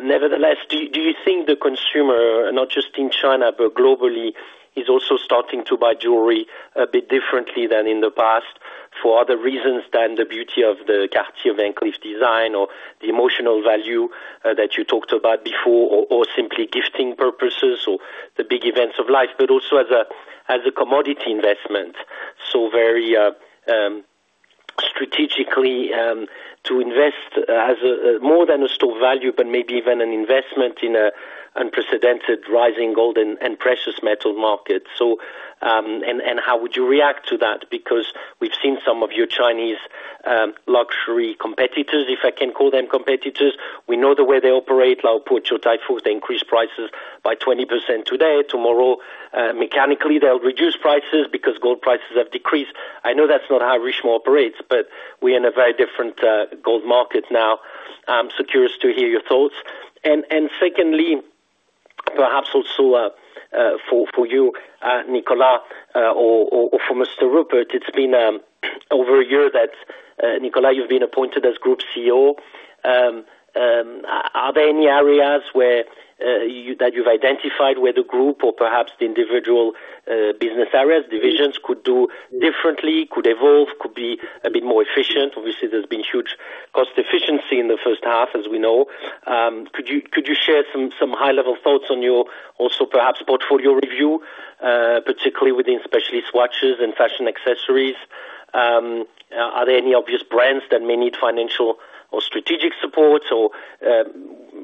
Nevertheless, do you think the consumer, not just in China, but globally, is also starting to buy jewellery a bit differently than in the past for other reasons than the beauty of the Cartier Van Cleef design or the emotional value that you talked about before or simply gifting purposes or the big events of life, but also as a commodity investment? So very strategically to invest as more than a store value, but maybe even an investment in an unprecedented rising gold and precious metal market. And how would you react to that? Because we've seen some of your Chinese luxury competitors, if I can call them competitors. We know the way they operate, La Pooch or Taifu, they increase prices by 20% today. Tomorrow, mechanically, they'll reduce prices because gold prices have decreased. I know that's not how Richemont operates, but we're in a very different gold market now. Curious to hear your thoughts. Secondly, perhaps also for you, Nicolas, or for Mr. Rupert, it's been over a year that Nicolas, you've been appointed as Group CEO. Are there any areas that you've identified where the group or perhaps the individual business areas, divisions, could do differently, could evolve, could be a bit more efficient? Obviously, there's been huge cost efficiency in the first half, as we know. Could you share some high-level thoughts on your also perhaps portfolio review, particularly within specialist watches and fashion accessories? Are there any obvious brands that may need financial or strategic support or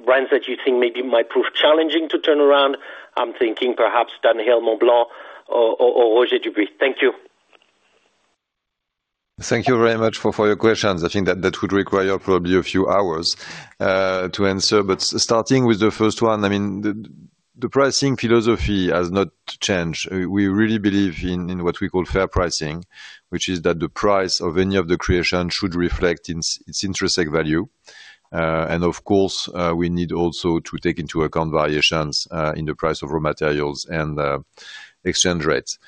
brands that you think maybe might prove challenging to turn around? I'm thinking perhaps dunhill, Montblanc, or Roger Dubuis. Thank you. Thank you very much for your questions. I think that would require probably a few hours to answer. Starting with the first one, I mean, the pricing philosophy has not changed. We really believe in what we call fair pricing, which is that the price of any of the creations should reflect its intrinsic value. Of course, we need also to take into account variations in the price of raw materials and exchange rates.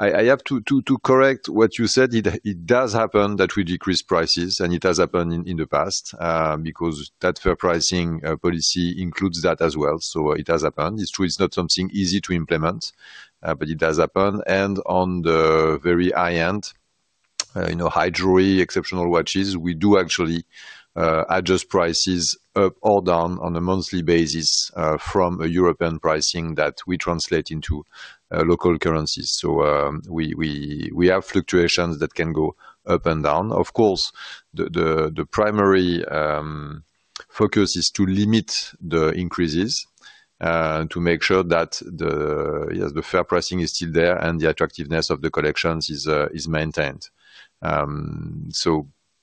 I have to correct what you said. It does happen that we decrease prices, and it has happened in the past because that fair pricing policy includes that as well. It has happened. It's true. It's not something easy to implement, but it does happen. On the very high end, high jewellery, exceptional watches, we do actually adjust prices up or down on a monthly basis from a European pricing that we translate into local currencies. We have fluctuations that can go up and down. Of course, the primary focus is to limit the increases to make sure that the fair pricing is still there and the attractiveness of the collections is maintained.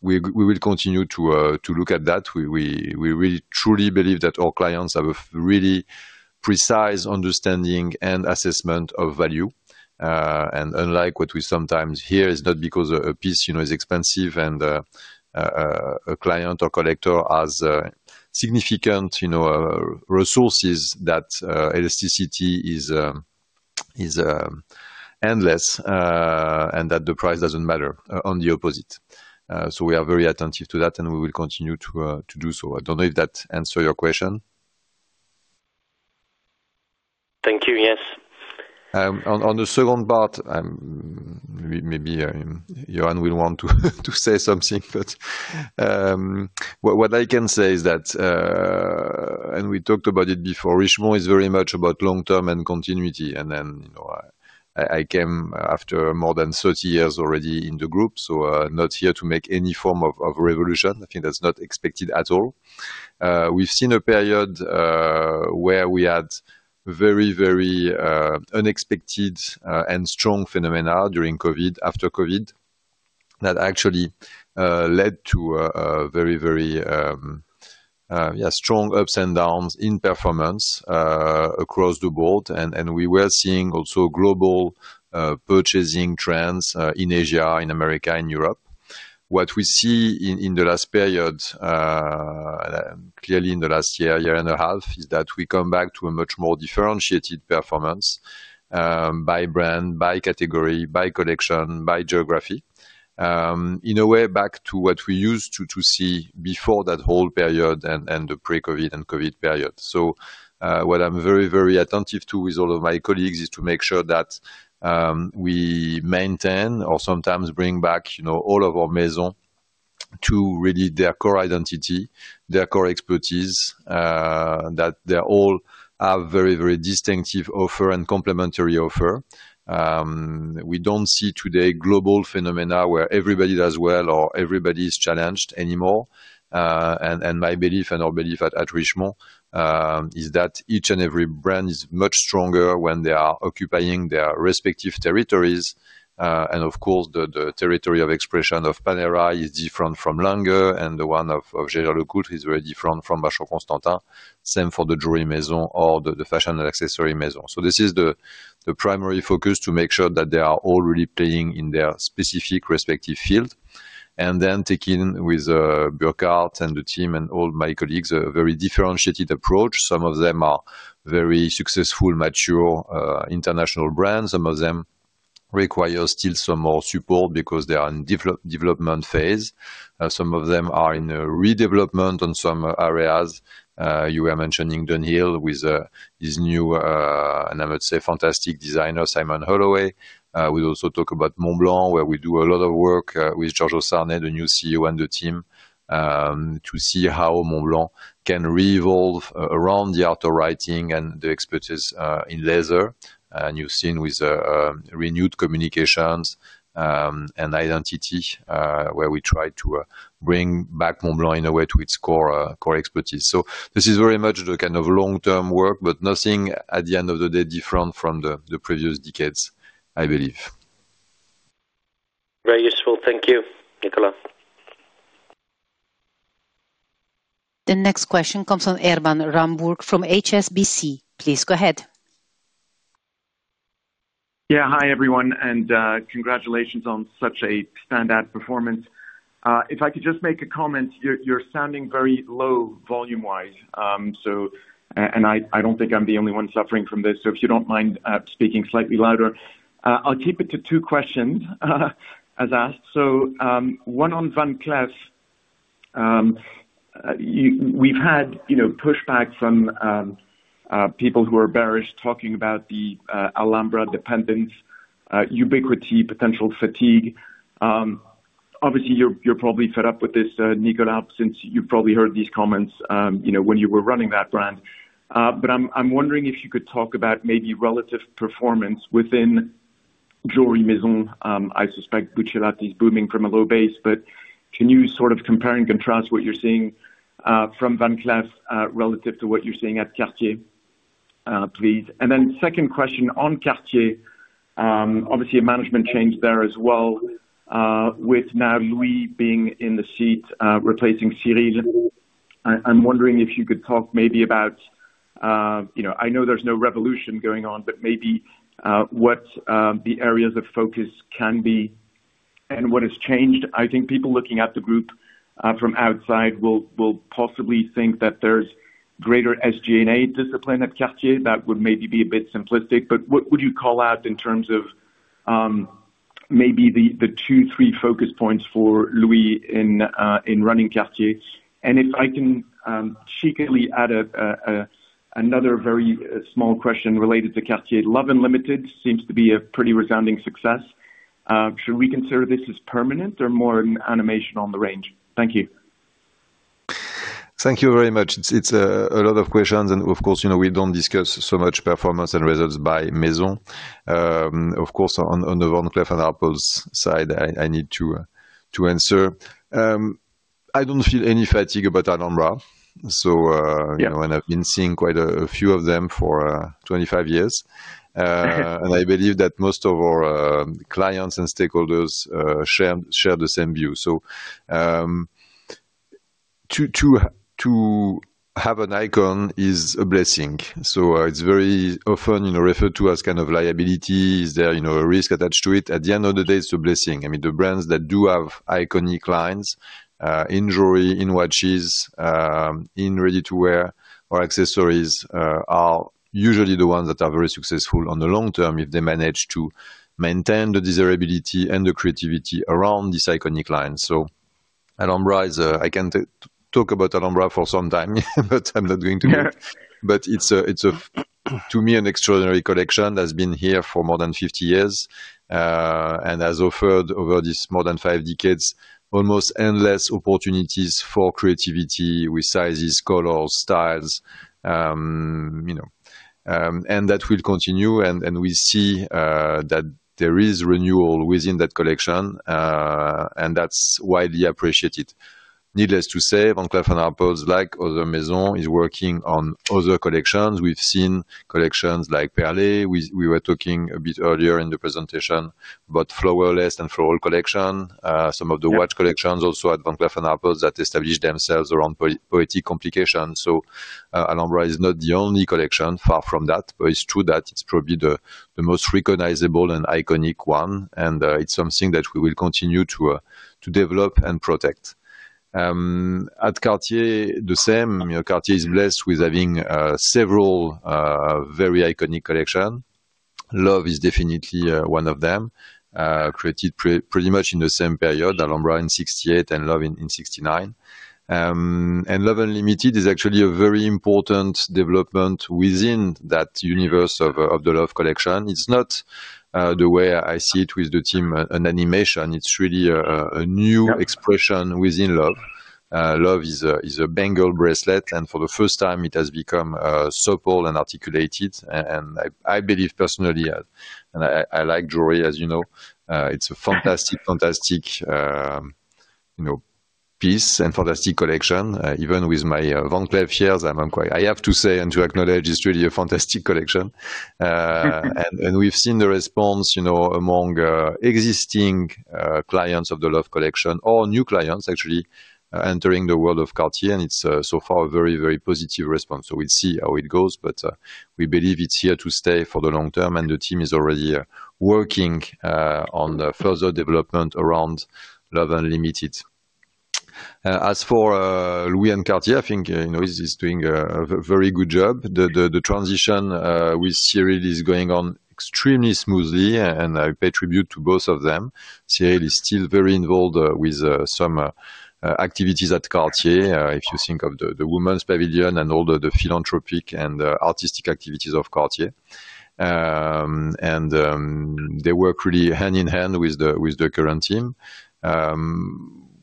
We will continue to look at that. We really truly believe that our clients have a really precise understanding and assessment of value. Unlike what we sometimes hear, it is not because a piece is expensive and a client or collector has significant resources that elasticity is endless and that the price does not matter, on the opposite. We are very attentive to that, and we will continue to do so. I do not know if that answers your question. Thank you. Yes. On the second part, maybe Johann will want to say something, but what I can say is that, and we talked about it before, Richemont is very much about long-term and continuity. I came after more than 30 years already in the group, so not here to make any form of revolution. I think that's not expected at all. We've seen a period where we had very, very unexpected and strong phenomena during COVID, after COVID, that actually led to very, very strong ups and downs in performance across the board. We were seeing also global purchasing trends in Asia, in America, in Europe. What we see in the last period, clearly in the last year, year and a half, is that we come back to a much more differentiated performance by brand, by category, by collection, by geography, in a way back to what we used to see before that whole period and the pre-COVID and COVID period. What I'm very, very attentive to with all of my colleagues is to make sure that we maintain or sometimes bring back all of our Maison to really their core identity, their core expertise, that they all have very, very distinctive offer and complementary offer. We do not see today global phenomena where everybody does well or everybody is challenged anymore. My belief and our belief at Richemont is that each and every brand is much stronger when they are occupying their respective territories. Of course, the territory of expression of Panerai is different from Lange, and the one of Jaeger-LeCoultre is very different from Vacheron Constantin. Same for the Jewellery Maison or the Fashion and Accessory Maison. This is the primary focus to make sure that they are all really playing in their specific respective field. Then taking with Burkhart and the team and all my colleagues a very differentiated approach. Some of them are very successful, mature international brands. Some of them require still some more support because they are in development phase. Some of them are in redevelopment on some areas. You were mentioning dunhill with his new, and I would say, fantastic designer, Simon Holloway. We also talk about Montblanc, where we do a lot of work with Georges Kern, the new CEO and the team, to see how Montblanc can revolve around the outer writing and the expertise in leather. You have seen with renewed communications and identity where we try to bring back Montblanc in a way to its core expertise. This is very much the kind of long-term work, but nothing at the end of the day different from the previous decades, I believe. Very useful. Thank you, Nicolas. The next question comes from Erwan Rambourg from HSBC. Please go ahead. Yeah, hi everyone, and congratulations on such a standout performance. If I could just make a comment, you're sounding very low volume-wise. I don't think I'm the only one suffering from this. If you don't mind speaking slightly louder, I'll keep it to two questions as asked. One on Van Cleef. We've had pushback from people who are bearish talking about the Alhambra dependence, ubiquity, potential fatigue. Obviously, you're probably fed up with this, Nicolas, since you've probably heard these comments when you were running that brand. I'm wondering if you could talk about maybe relative performance within Jewellery Maison. I suspect Buccellati is booming from a low base, but can you sort of compare and contrast what you're seeing from Van Cleef relative to what you're seeing at Cartier, please? Then second question on Cartier, obviously a management change there as well with now Louis being in the seat replacing Cyrille. I'm wondering if you could talk maybe about, I know there's no revolution going on, but maybe what the areas of focus can be and what has changed. I think people looking at the group from outside will possibly think that there's greater SG&A discipline at Cartier. That would maybe be a bit simplistic. What would you call out in terms of maybe the two, three focus points for Louis in running Cartier? If I can cheekily add another very small question related to Cartier, Love Unlimited seems to be a pretty resounding success. Should we consider this as permanent or more an animation on the range? Thank you. Thank you very much. It's a lot of questions. Of course, we don't discuss so much performance and results by Maison. Of course, on the Van Cleef & Arpels side, I need to answer. I don't feel any fatigue about Alhambra. I have been seeing quite a few of them for 25 years. I believe that most of our clients and stakeholders share the same view. To have an icon is a blessing. It's very often referred to as a kind of liability. Is there a risk attached to it? At the end of the day, it's a blessing. I mean, the brands that do have iconic lines in jewellery, in watches, in ready-to-wear or accessories are usually the ones that are very successful on the long term if they manage to maintain the desirability and the creativity around these iconic lines. Alhambra, I can talk about Alhambra for some time, but I'm not going to. It's, to me, an extraordinary collection that's been here for more than 50 years and has offered over these more than five decades almost endless opportunities for creativity with sizes, colors, styles. That will continue. We see that there is renewal within that collection, and that's widely appreciated. Needless to say, Van Cleef & Arpels, like other Maison, is working on other collections. We've seen collections like Perlée. We were talking a bit earlier in the presentation about Flowerlace and Flora Collection, some of the watch collections also at Van Cleef & Arpels that establish themselves around poetic complications. Alhambra is not the only collection, far from that. It's true that it's probably the most recognizable and iconic one. It's something that we will continue to develop and protect. At Cartier, the same. Cartier is blessed with having several very iconic collections. Love is definitely one of them, created pretty much in the same period, Alhambra in 1968 and Love in 1969. Love Unlimited is actually a very important development within that universe of the Love collection. It's not the way I see it with the team, an animation. It's really a new expression within Love. Love is a bangle bracelet, and for the first time, it has become supple and articulated. I believe personally, and I like jewellery, as you know, it's a fantastic, fantastic piece and fantastic collection. Even with my Van Cleef years, I have to say and to acknowledge it's really a fantastic collection. We've seen the response among existing clients of the Love collection or new clients actually entering the world of Cartier. It is so far a very, very positive response. We will see how it goes. We believe it is here to stay for the long term. The team is already working on further development around Love Unlimited. As for Louis and Cartier, I think Louis is doing a very good job. The transition with Cyrille is going on extremely smoothly, and I pay tribute to both of them. Cyrille is still very involved with some activities at Cartier. If you think of the Women's Pavilion and all the philanthropic and artistic activities of Cartier, they work really hand in hand with the current team.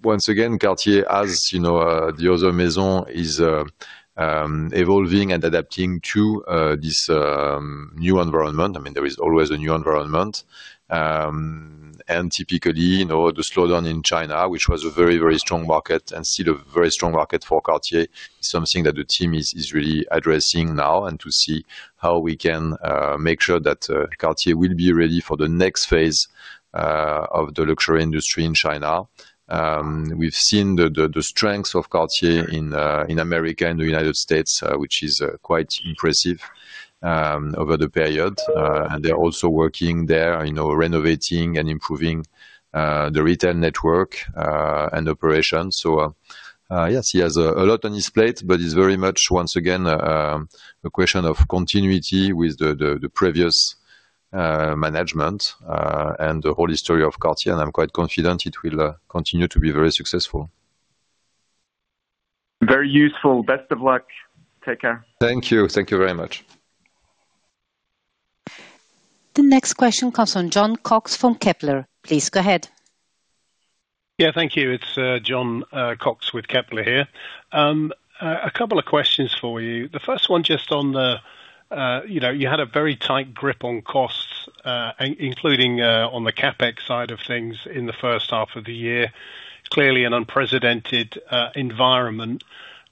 Once again, Cartier, as the other Maison, is evolving and adapting to this new environment. I mean, there is always a new environment. Typically, the slowdown in China, which was a very, very strong market and still a very strong market for Cartier, is something that the team is really addressing now to see how we can make sure that Cartier will be ready for the next phase of the luxury industry in China. We have seen the strengths of Cartier in America and the United States, which is quite impressive over the period. They are also working there, renovating and improving the retail network and operations. Yes, he has a lot on his plate, but it is very much, once again, a question of continuity with the previous management and the whole history of Cartier. I am quite confident it will continue to be very successful. Very useful. Best of luck. Take care. Thank you. Thank you very much. The next question comes from Jon Cox from Kepler. Please go ahead. Yeah, thank you. It's Jon Cox with Kepler here. A couple of questions for you. The first one just on the, you had a very tight grip on costs, including on the CapEx side of things in the first half of the year. Clearly an unprecedented environment,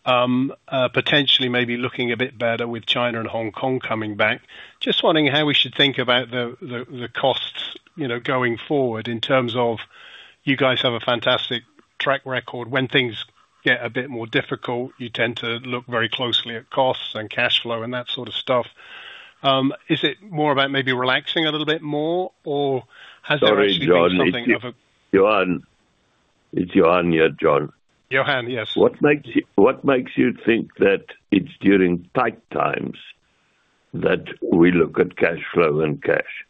potentially maybe looking a bit better with China and Hong Kong coming back. Just wondering how we should think about the costs going forward in terms of you guys have a fantastic track record. When things get a bit more difficult, you tend to look very closely at costs and cash flow and that sort of stuff. Is it more about maybe relaxing a little bit more, or has there actually been something of a? It's Johann. It's Johann here, Jon. Johann, yes. What makes you think that it's during tight times that we look at cash flow and cash?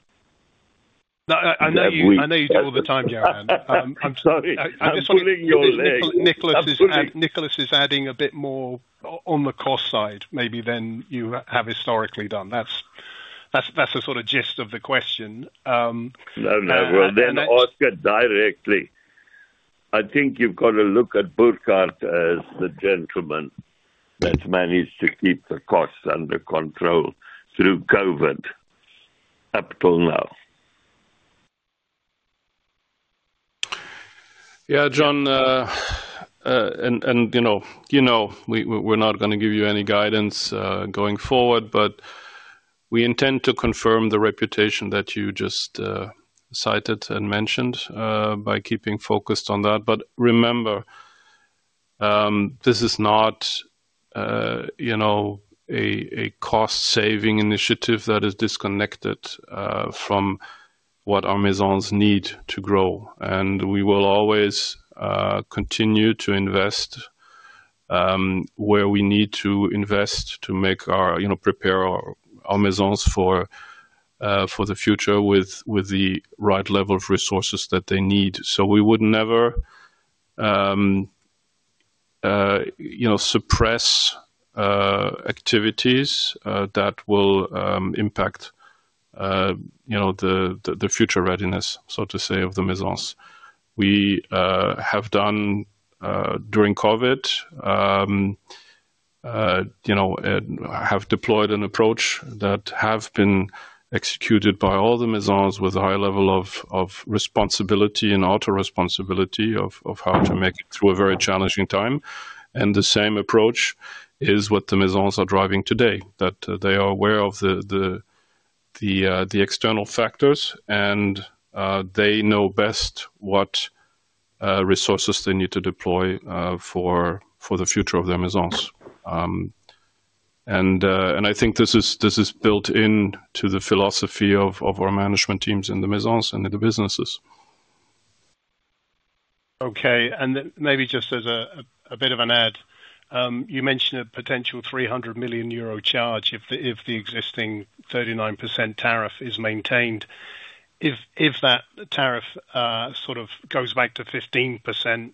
I know you do all the time, Johann. I'm just wondering your leg. Nicolas is adding a bit more on the cost side maybe than you have historically done. That's a sort of gist of the question. No, no. Ask her directly. I think you've got to look at Burkhart as the gentleman that managed to keep the costs under control through COVID up till now. Yeah, Jon, and you know we're not going to give you any guidance going forward, but we intend to confirm the reputation that you just cited and mentioned by keeping focused on that. Remember, this is not a cost-saving initiative that is disconnected from what our Maisons need to grow. We will always continue to invest where we need to invest to prepare our Maisons for the future with the right level of resources that they need. We would never suppress activities that will impact the future readiness, so to say, of the Maisons. We have done during COVID, have deployed an approach that has been executed by all the Maisons with a high level of responsibility and auto responsibility of how to make it through a very challenging time. The same approach is what the Maisons are driving today, that they are aware of the external factors and they know best what resources they need to deploy for the future of their Maisons. I think this is built into the philosophy of our management teams in the Maisons and in the businesses. Okay. Maybe just as a bit of an add, you mentioned a potential 300 million euro charge if the existing 39% tariff is maintained. If that tariff sort of goes back to 15%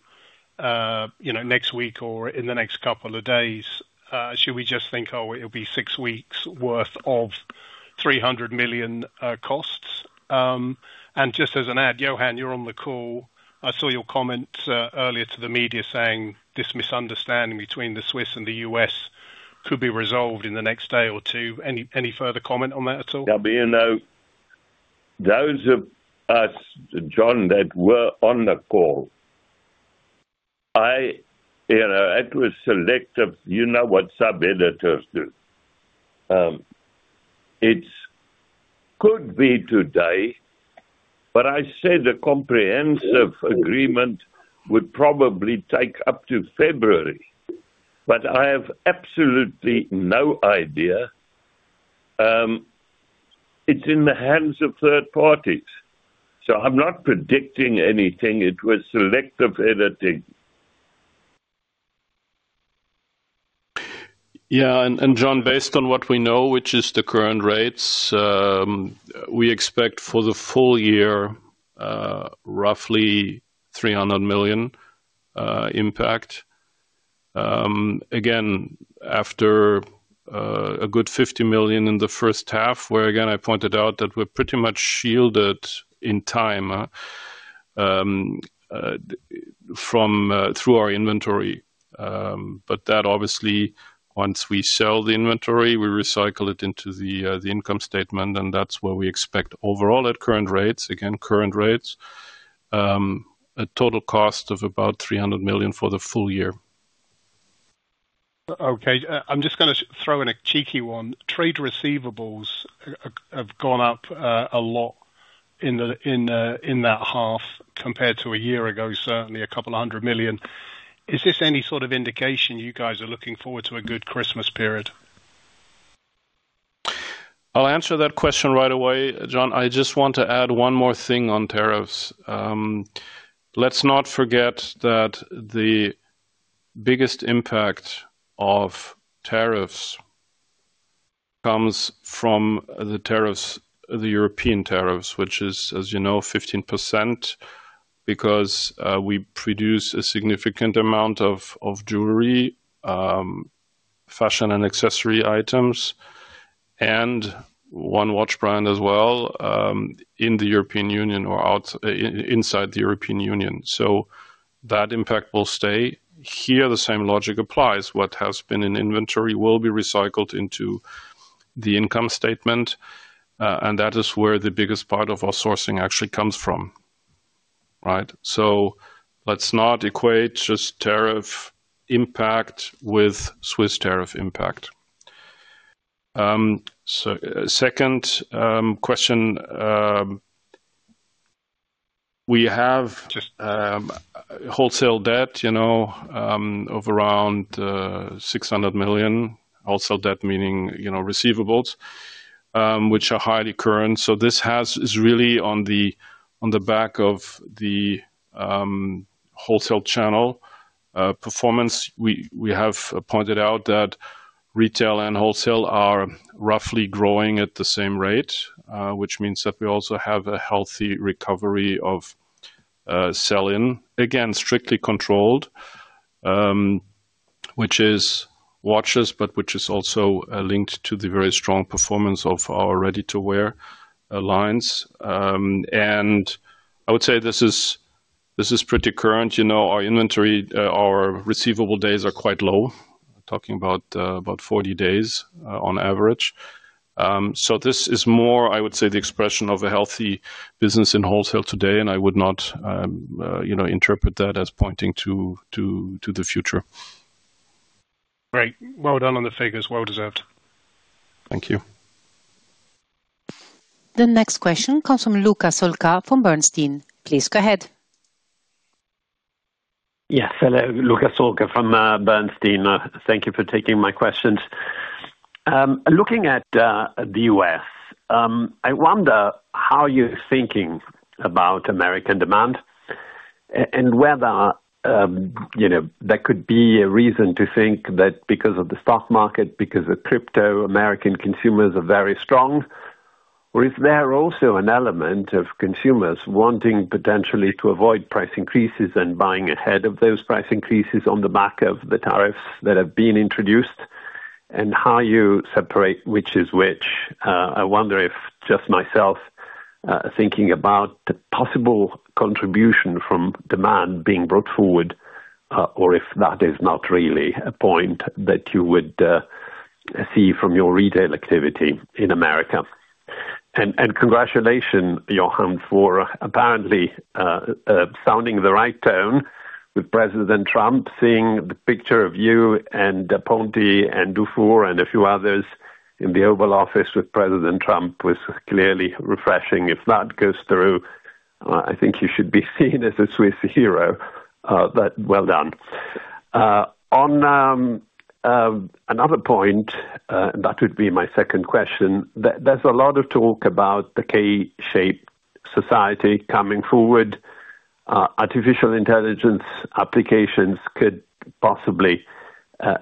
next week or in the next couple of days, should we just think, "Oh, it'll be six weeks' worth of 300 million costs"? Just as an add, Johann, you're on the call. I saw your comment earlier to the media saying this misunderstanding between the Swiss and the U.S. could be resolved in the next day or two. Any further comment on that at all? There'll be a note. Those of us, Jon, that were on the call, it was selective. You know what sub-editors do. It could be today, but I say the comprehensive agreement would probably take up to February. I have absolutely no idea. It's in the hands of third parties. I'm not predicting anything. It was selective editing. Yeah. Jon, based on what we know, which is the current rates, we expect for the full year, roughly EUR 300 million impact. Again, after a good 50 million in the first half, where, again, I pointed out that we're pretty much shielded in time through our inventory. That obviously, once we sell the inventory, we recycle it into the income statement. That's where we expect overall at current rates, again, current rates, a total cost of about 300 million for the full year. Okay. I'm just going to throw in a cheeky one. Trade receivables have gone up a lot in that half compared to a year ago, certainly a couple of hundred million. Is this any sort of indication you guys are looking forward to a good Christmas period? I'll answer that question right away, Jon. I just want to add one more thing on tariffs. Let's not forget that the biggest impact of tariffs comes from the tariffs, the European tariffs, which is, as you know, 15% because we produce a significant amount of jewellery, fashion, and accessory items, and one watch brand as well in the European Union or inside the European Union. That impact will stay here. The same logic applies. What has been in inventory will be recycled into the income statement. That is where the biggest part of our sourcing actually comes from. Right? Let's not equate just tariff impact with Swiss tariff impact. Second question, we have wholesale debt of around EUR 600 million, wholesale debt meaning receivables, which are highly current. This is really on the back of the wholesale channel performance. We have pointed out that retail and wholesale are roughly growing at the same rate, which means that we also have a healthy recovery of sell-in, again, strictly controlled, which is watches, but which is also linked to the very strong performance of our ready-to-wear lines. I would say this is pretty current. Our inventory, our receivable days are quite low, talking about about 40 days on average. This is more, I would say, the expression of a healthy business in wholesale today. I would not interpret that as pointing to the future. Great. Well done on the figures. Well deserved. Thank you. The next question comes from Luca Solca from Bernstein. Please go ahead. Yes. Hello, Luca Solca from Bernstein. Thank you for taking my questions. Looking at the U.S., I wonder how you're thinking about American demand and whether there could be a reason to think that because of the stock market, because of crypto, American consumers are very strong. Is there also an element of consumers wanting potentially to avoid price increases and buying ahead of those price increases on the back of the tariffs that have been introduced? How do you separate which is which? I wonder if just myself thinking about the possible contribution from demand being brought forward, or if that is not really a point that you would see from your retail activity in America. Congratulations, Johann, for apparently sounding the right tone with President Trump. Seeing the picture of you and Ponti and Dufour and a few others in the Oval Office with President Trump was clearly refreshing. If that goes through, I think you should be seen as a Swiss hero. Well done. On another point, that would be my second question, there is a lot of talk about the K-shaped society coming forward. Artificial intelligence applications could possibly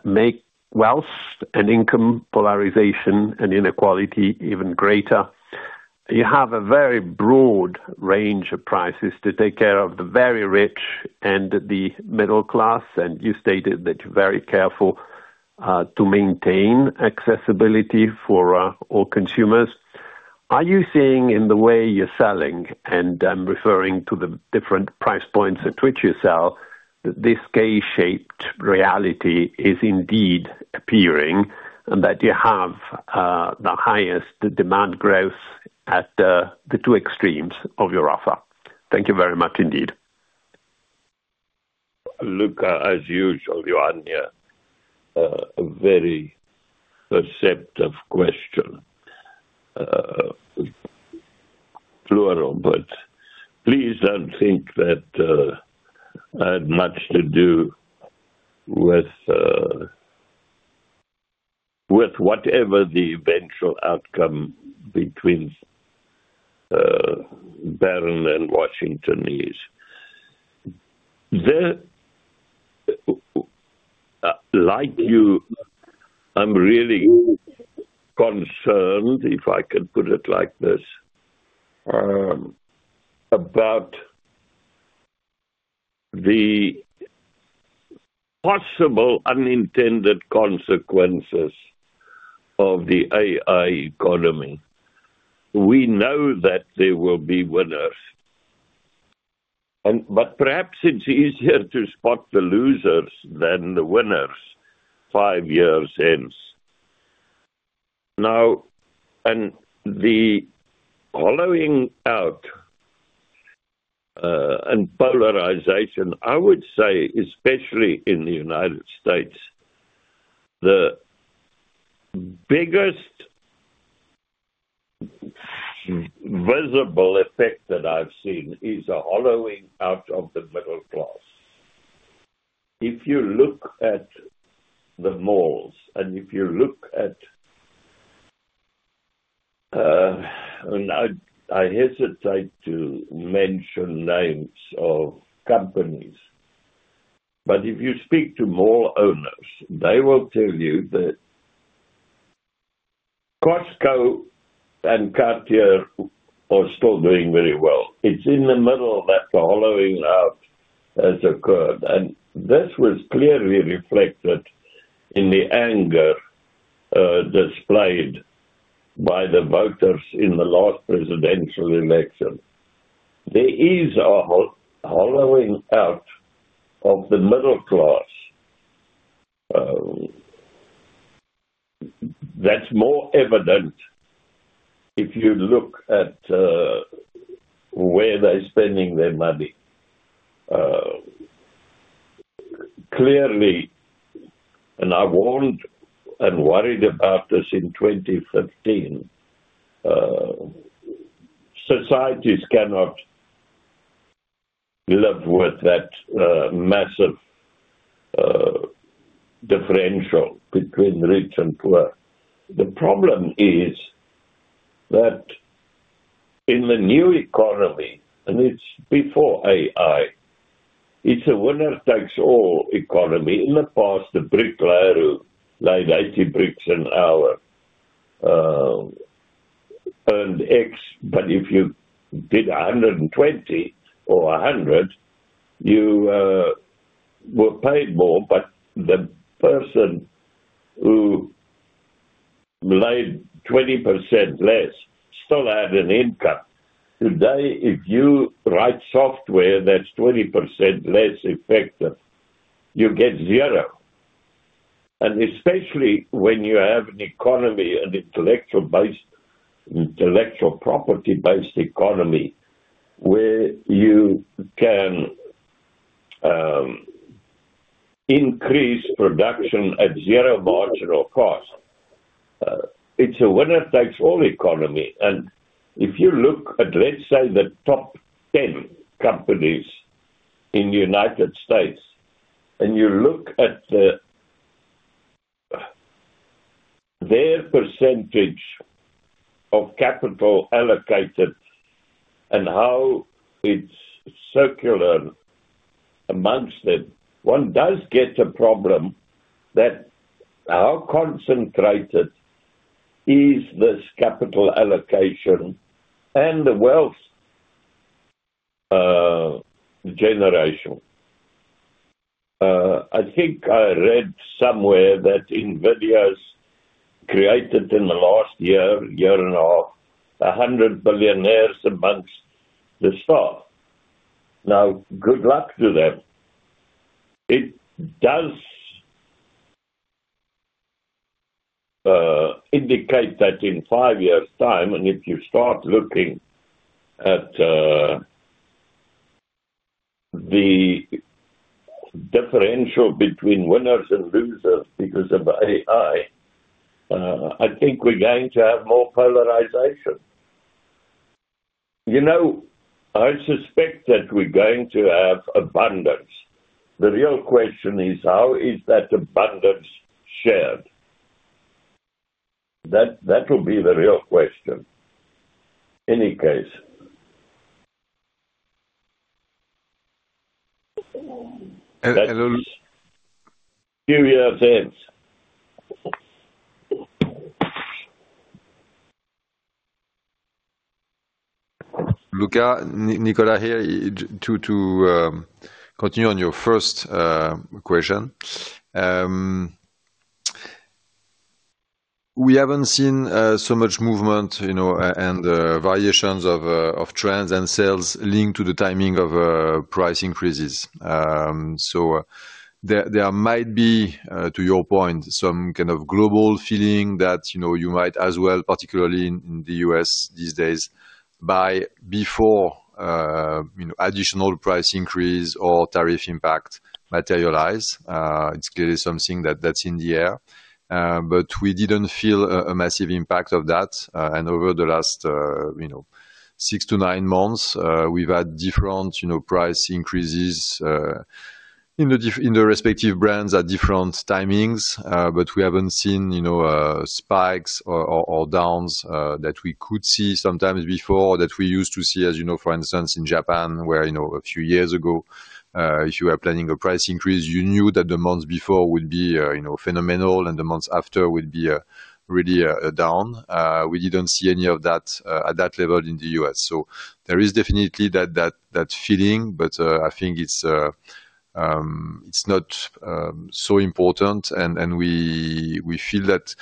make wealth and income polarization and inequality even greater. You have a very broad range of prices to take care of the very rich and the middle class. You stated that you are very careful to maintain accessibility for all consumers. Are you seeing in the way you're selling, and I'm referring to the different price points at which you sell, that this K-shaped reality is indeed appearing and that you have the highest demand growth at the two extremes of your offer? Thank you very much indeed. Luca, as usual, Johann, a very perceptive question. Fluent on, but please don't think that I had much to do with whatever the eventual outcome between Berlin and Washington is. Like you, I'm really concerned, if I can put it like this, about the possible unintended consequences of the AI economy. We know that there will be winners, but perhaps it's easier to spot the losers than the winners five years in. Now, and the hollowing out and polarization, I would say, especially in the United States, the biggest visible effect that I've seen is a hollowing out of the middle class. If you look at the malls and if you look at, and I hesitate to mention names of companies, but if you speak to mall owners, they will tell you that Costco and Cartier are still doing very well. It's in the middle that the hollowing out has occurred. This was clearly reflected in the anger displayed by the voters in the last presidential election. There is a hollowing out of the middle class that's more evident if you look at where they're spending their money. Clearly, and I warned and worried about this in 2015, societies cannot live with that massive differential between rich and poor. The problem is that in the new economy, and it's before AI, it's a winner takes all economy. In the past, the bricklayer who laid 80 bricks an hour earned X, but if you did 120 or 100, you were paid more. The person who laid 20% less still had an income. Today, if you write software that's 20% less effective, you get zero. Especially when you have an economy, an intellectual property-based economy where you can increase production at zero marginal cost, it's a winner takes all economy. If you look at, let's say, the top 10 companies in the United States and you look at their percentage of capital allocated and how it's circular amongst them, one does get a problem that how concentrated is this capital allocation and the wealth generation. I think I read somewhere that NVIDIA's created in the last year, year and a half, 100 billionaires amongst the stock. Now, good luck to them. It does indicate that in five years' time, and if you start looking at the differential between winners and losers because of AI, I think we're going to have more polarization. I suspect that we're going to have abundance. The real question is, how is that abundance shared? That will be the real question. In any case. A few years in. Luca, Nicolas here to continue on your first question. We haven't seen so much movement and variations of trends and sales linked to the timing of price increases. There might be, to your point, some kind of global feeling that you might as well, particularly in the U.S. these days, buy before additional price increase or tariff impact materialize. It's clearly something that's in the air. We didn't feel a massive impact of that. Over the last six to nine months, we've had different price increases in the respective brands at different timings. We have not seen spikes or downs that we could see sometimes before or that we used to see, as you know, for instance, in Japan where a few years ago, if you were planning a price increase, you knew that the months before would be phenomenal and the months after would be really a down. We did not see any of that at that level in the U.S. There is definitely that feeling, but I think it is not so important. We feel that,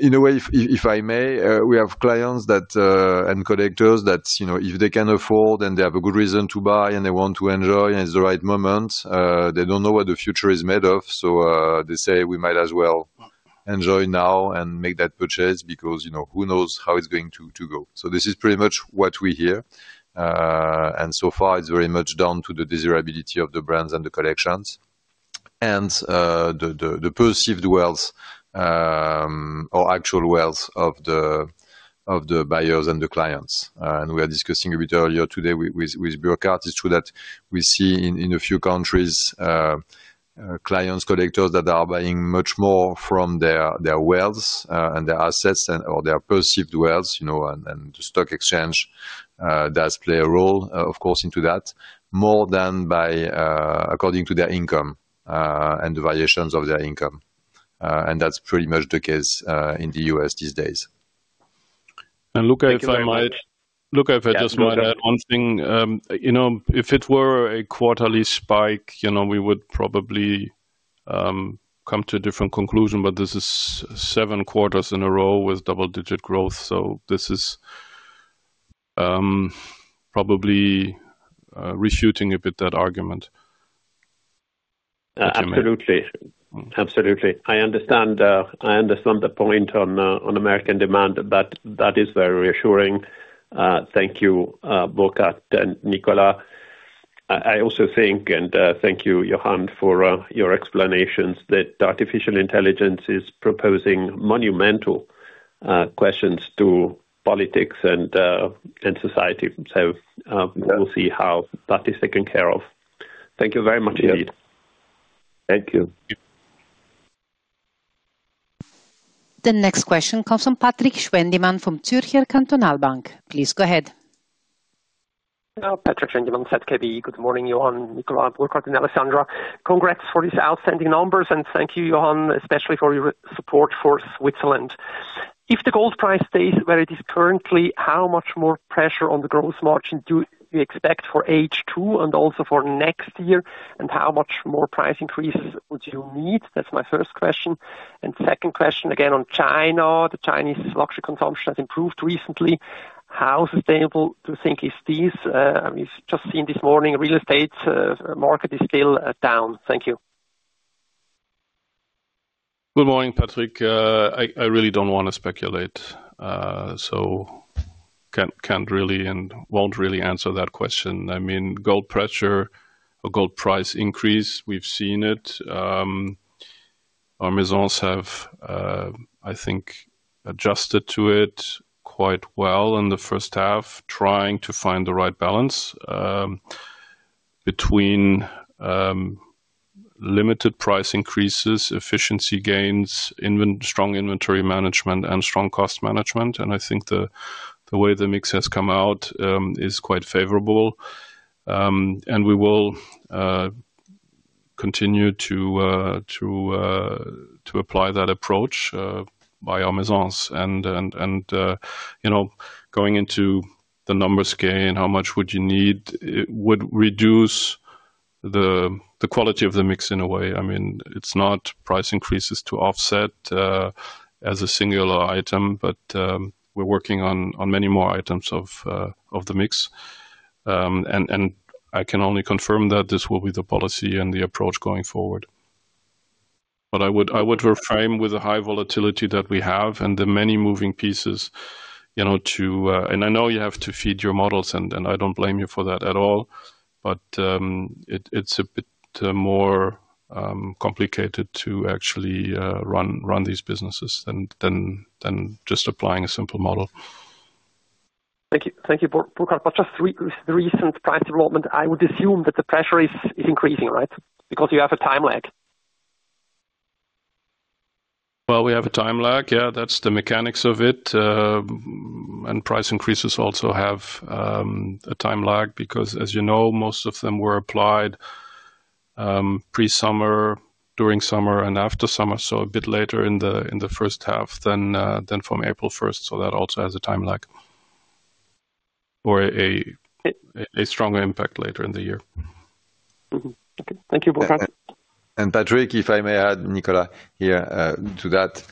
in a way, if I may, we have clients and collectors that if they can afford and they have a good reason to buy and they want to enjoy and it is the right moment, they do not know what the future is made of. They say, "We might as well enjoy now and make that purchase because who knows how it's going to go." This is pretty much what we hear. So far, it's very much down to the desirability of the brands and the collections and the perceived wealth or actual wealth of the buyers and the clients. We were discussing a bit earlier today with Burkhart. It's true that we see in a few countries clients, collectors that are buying much more from their wealth and their assets or their perceived wealth. The stock exchange does play a role, of course, into that more than by according to their income and the variations of their income. That's pretty much the case in the U.S. these days. Luca, if I might, Luca, if I just might add one thing. If it were a quarterly spike, we would probably come to a different conclusion. This is seven quarters in a row with double-digit growth. This is probably reshooting a bit that argument. Absolutely. Absolutely. I understand the point on American demand, but that is very reassuring. Thank you, Burkhart and Nicolas. I also think, and thank you, Johann, for your explanations, that Artificial Intelligence is proposing monumental questions to politics and society. We will see how that is taken care of. Thank you very much indeed. Thank you. The next question comes from Patrik Schwendimann from Zürcher Kantonalbank. Please go ahead. Good morning, Johann, Nicolas, Burkhart, and Alessandra. Congrats for these outstanding numbers. Thank you, Johann, especially for your support for Switzerland. If the gold price stays where it is currently, how much more pressure on the gross margin do you expect for H2 and also for next year? How much more price increases would you need? That is my first question. Second question, again, on China. The Chinese luxury consumption has improved recently. How sustainable do you think is this? We have just seen this morning real estate market is still down. Thank you. Good morning, Patrik. I really do not want to speculate. So cannot really and will not really answer that question. I mean, gold pressure or gold price increase, we have seen it. Maisons have, I think, adjusted to it quite well in the first half, trying to find the right balance between limited price increases, efficiency gains, strong inventory management, and strong cost management. I think the way the mix has come out is quite favorable. We will continue to apply that approach by artisans. Going into the numbers scale, how much you would need would reduce the quality of the mix in a way. I mean, it is not price increases to offset as a singular item, but we are working on many more items of the mix. I can only confirm that this will be the policy and the approach going forward. I would reframe with the high volatility that we have and the many moving pieces too, and I know you have to feed your models, and I do not blame you for that at all, but it is a bit more complicated to actually run these businesses than just applying a simple model. Thank you. Thank you, Burkhart. Just the recent price development, I would assume that the pressure is increasing, right? Because you have a time lag. We have a time lag. Yeah, that's the mechanics of it. Price increases also have a time lag because, as you know, most of them were applied pre-summer, during summer, and after summer, so a bit later in the first half than from April 1. That also has a time lag or a stronger impact later in the year. Thank you, Burkhart. Patrik, if I may add, Nicolas here, to that,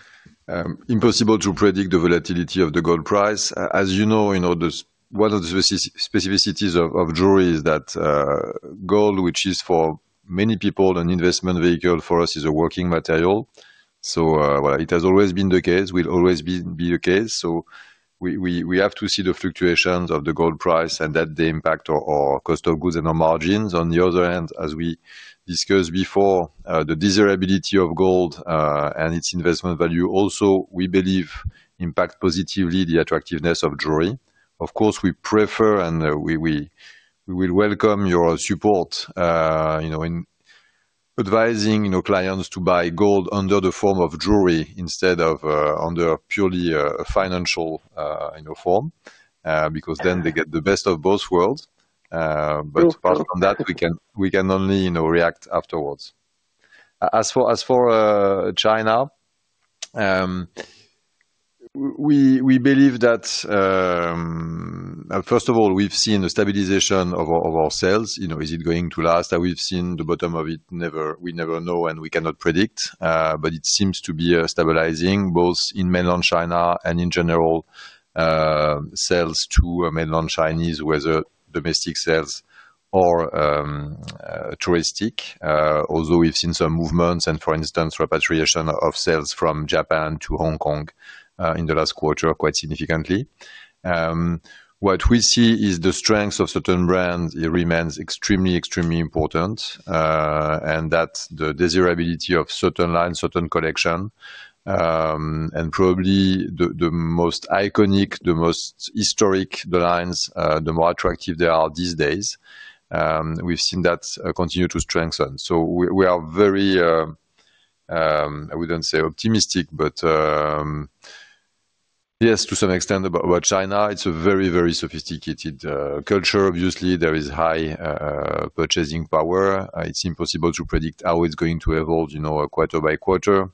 impossible to predict the volatility of the gold price. As you know, one of the specificities of jewellery is that gold, which is for many people an investment vehicle, for us is a working material. It has always been the case, will always be the case. We have to see the fluctuations of the gold price and that the impact or cost of goods and our margins. On the other hand, as we discussed before, the desirability of gold and its investment value also, we believe, impact positively the attractiveness of jewellery. Of course, we prefer and we will welcome your support in advising clients to buy gold under the form of jewellery instead of under purely a financial form because then they get the best of both worlds. Apart from that, we can only react afterwards. As for China, we believe that, first of all, we've seen the stabilization of our sales. Is it going to last? We've seen the bottom of it. We never know and we cannot predict. It seems to be stabilizing both in mainland China and in general sales to mainland Chinese, whether domestic sales or touristic. Although we've seen some movements and, for instance, repatriation of sales from Japan to Hong Kong in the last quarter quite significantly. What we see is the strength of certain brands. It remains extremely, extremely important and that the desirability of certain lines, certain collection, and probably the most iconic, the most historic lines, the more attractive they are these days. We've seen that continue to strengthen. We are very, I wouldn't say optimistic, but yes, to some extent about China. It's a very, very sophisticated culture. Obviously, there is high purchasing power. It's impossible to predict how it's going to evolve quarter by quarter.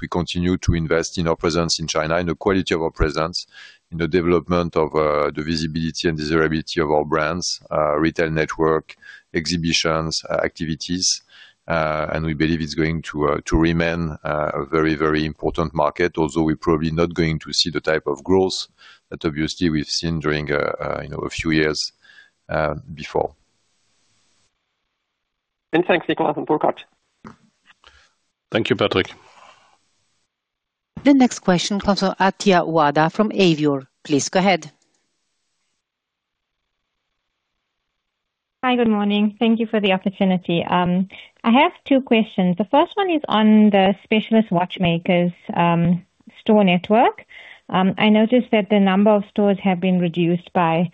We continue to invest in our presence in China, in the quality of our presence, in the development of the visibility and desirability of our brands, retail network, exhibitions, activities. We believe it's going to remain a very, very important market, although we're probably not going to see the type of growth that obviously we've seen during a few years before. Thanks, Nicolas and Burkhart. Thank you, Patrik. The next question comes from Atia Wada from Avior. Please go ahead. Hi, good morning. Thank you for the opportunity. I have two questions. The first one is on the specialist watchmakers' store network. I noticed that the number of stores have been reduced by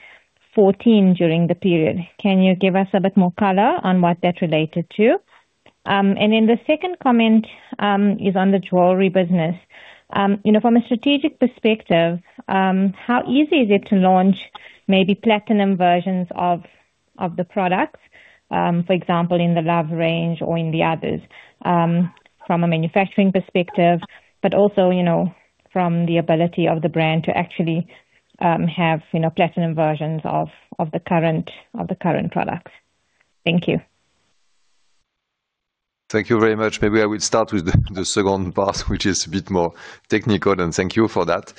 14 during the period. Can you give us a bit more color on what that related to? The second comment is on the jewellery business. From a strategic perspective, how easy is it to launch maybe platinum versions of the products, for example, in the Love range or in the others from a manufacturing perspective, but also from the ability of the brand to actually have platinum versions of the current products? Thank you. Thank you very much. Maybe I will start with the second part, which is a bit more technical, and thank you for that.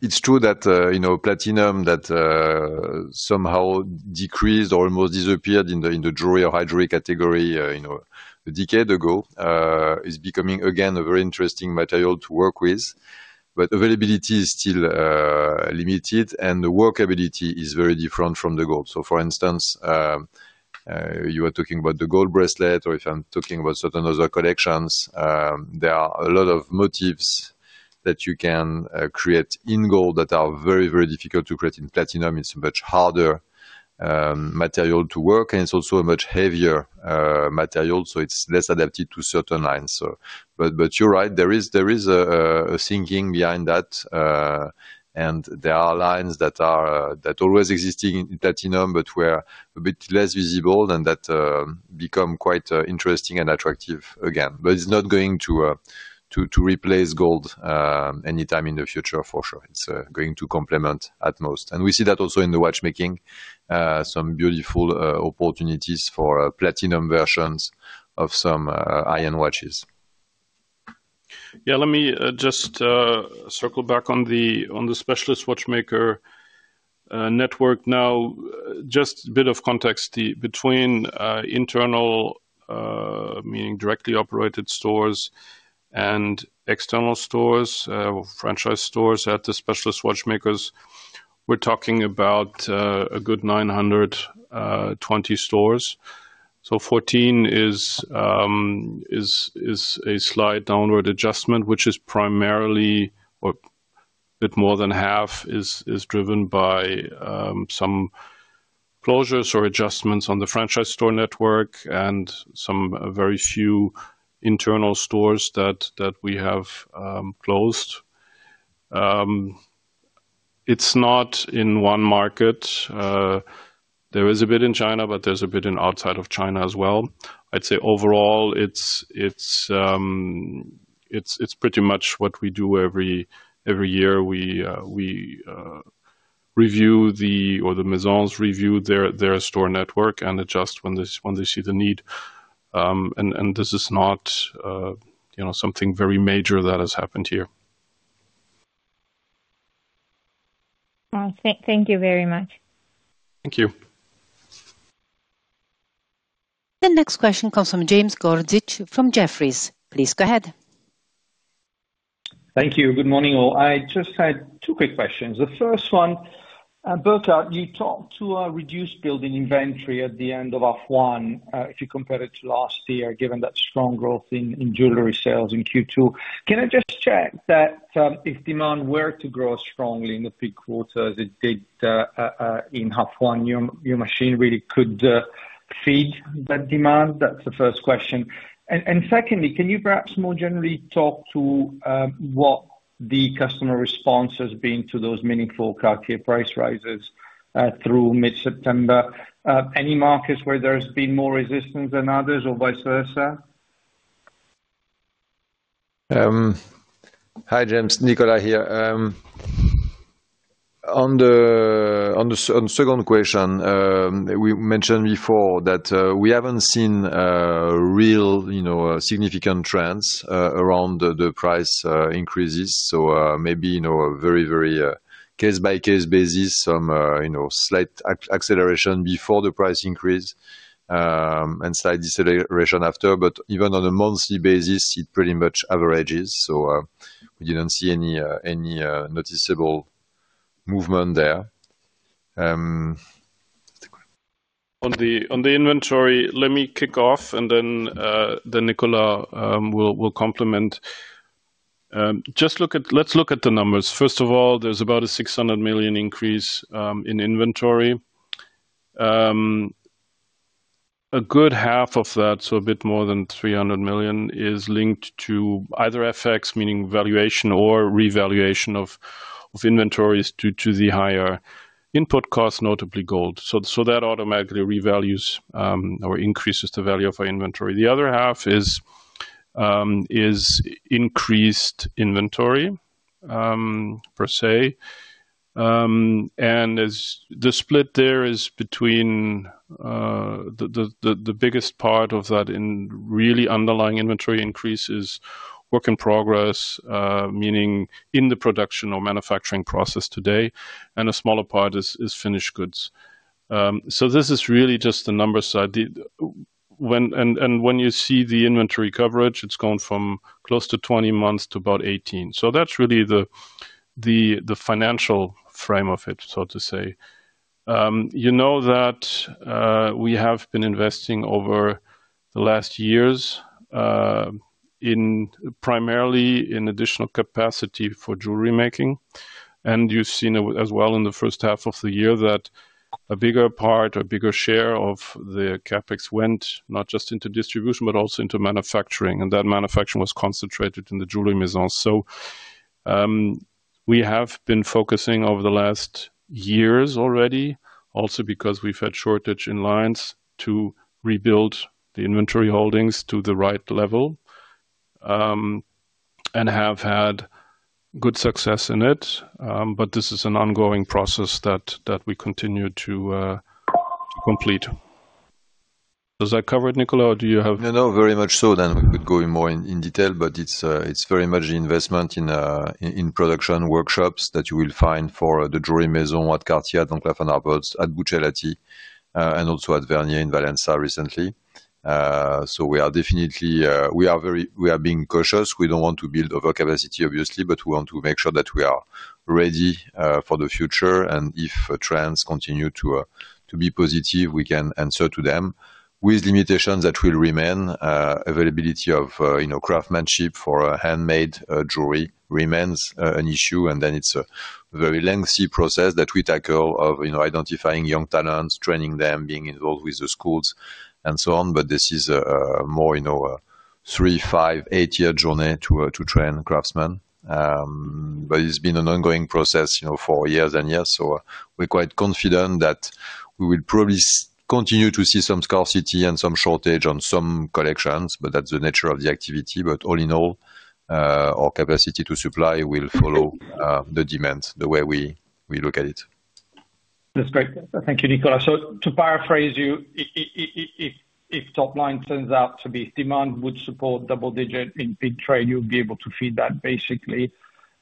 It's true that platinum that somehow decreased or almost disappeared in the jewellery or high jewellery category a decade ago is becoming again a very interesting material to work with. Availability is still limited, and the workability is very different from the gold. For instance, you are talking about the gold bracelet, or if I'm talking about certain other collections, there are a lot of motifs that you can create in gold that are very, very difficult to create in platinum. It's a much harder material to work, and it's also a much heavier material, so it's less adapted to certain lines. You're right. There is a thinking behind that, and there are lines that always existed in platinum, but were a bit less visible, and that become quite interesting and attractive again. It is not going to replace gold anytime in the future, for sure. It is going to complement at most. We see that also in the watchmaking, some beautiful opportunities for platinum versions of some iron watches. Yeah, let me just circle back on the specialist watchmaker network now. Just a bit of context between internal, meaning directly operated stores, and external stores, franchise stores at the specialist watchmakers. We're talking about a good 920 stores. Fourteen is a slight downward adjustment, which is primarily a bit more than half is driven by some closures or adjustments on the franchise store network and some very few internal stores that we have closed. It's not in one market. There is a bit in China, but there's a bit outside of China as well. I'd say overall, it's pretty much what we do every year. We review the, or the Maisons review their store network and adjust when they see the need. This is not something very major that has happened here. Thank you very much. Thank you. The next question comes from James Gordon from Jefferies. Please go ahead. Thank you. Good morning, all. I just had two quick questions. The first one, Burkhart, you talked to a reduced building inventory at the end of H1 if you compare it to last year, given that strong growth in jewellery sales in Q2. Can I just check that if demand were to grow strongly in the big quarters it did in H1, your machine really could feed that demand? That's the first question. Secondly, can you perhaps more generally talk to what the customer response has been to those meaningful Cartier price rises through mid-September? Any markets where there has been more resistance than others or vice versa? Hi, James. Nicolas here. On the second question, we mentioned before that we haven't seen real significant trends around the price increases. Maybe a very, very case-by-case basis, some slight acceleration before the price increase and slight deceleration after. Even on a monthly basis, it pretty much averages. We didn't see any noticeable movement there. On the inventory, let me kick off, and then Nicolas will complement. Let's look at the numbers. First of all, there's about a $600 million increase in inventory. A good half of that, so a bit more than $300 million, is linked to either FX, meaning valuation or revaluation of inventories due to the higher input cost, notably gold. That automatically revalues or increases the value of our inventory. The other half is increased inventory per se. The split there is between the biggest part of that in really underlying inventory increase is work in progress, meaning in the production or manufacturing process today, and a smaller part is finished goods. This is really just the number side. When you see the inventory coverage, it's gone from close to 20 months to about 18. That's really the financial frame of it, so to say. You know that we have been investing over the last years primarily in additional capacity for jewellery making. You have seen as well in the first half of the year that a bigger part or a bigger share of the CapEx went not just into distribution, but also into manufacturing. That manufacturing was concentrated in the Jewellery Maisons. We have been focusing over the last years already, also because we have had shortage in lines to rebuild the inventory holdings to the right level and have had good success in it. This is an ongoing process that we continue to complete. Does that cover it, Nicolas, or do you have? No, very much so then. We could go in more in detail, but it's very much the investment in production workshops that you will find for the Jewellery Maison at Cartier, at Van Cleef & Arpels, at Buccellati, and also at Vhernier in Valencia recently. We are definitely being cautious. We do not want to build overcapacity, obviously, but we want to make sure that we are ready for the future. If trends continue to be positive, we can answer to them. With limitations that will remain, availability of craftsmanship for handmade jewellery remains an issue. It is a very lengthy process that we tackle of identifying young talents, training them, being involved with the schools, and so on. This is a more three, five, eight-year journey to train craftsmen. It has been an ongoing process for years and years. We're quite confident that we will probably continue to see some scarcity and some shortage on some collections, but that's the nature of the activity. All in all, our capacity to supply will follow the demand the way we look at it. That's great. Thank you, Nicolas. To paraphrase you, if top line turns out to be demand would support double-digit in big trade, you'd be able to feed that basically,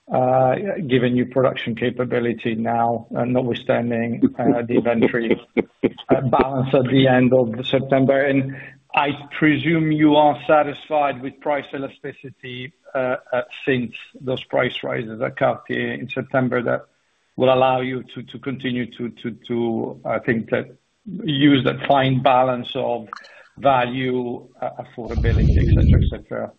given your production capability now, notwithstanding the inventory balance at the end of September. I presume you are satisfied with price elasticity since those price rises at Cartier in September that will allow you to continue to, I think, use that fine balance of value, affordability, etc., etc.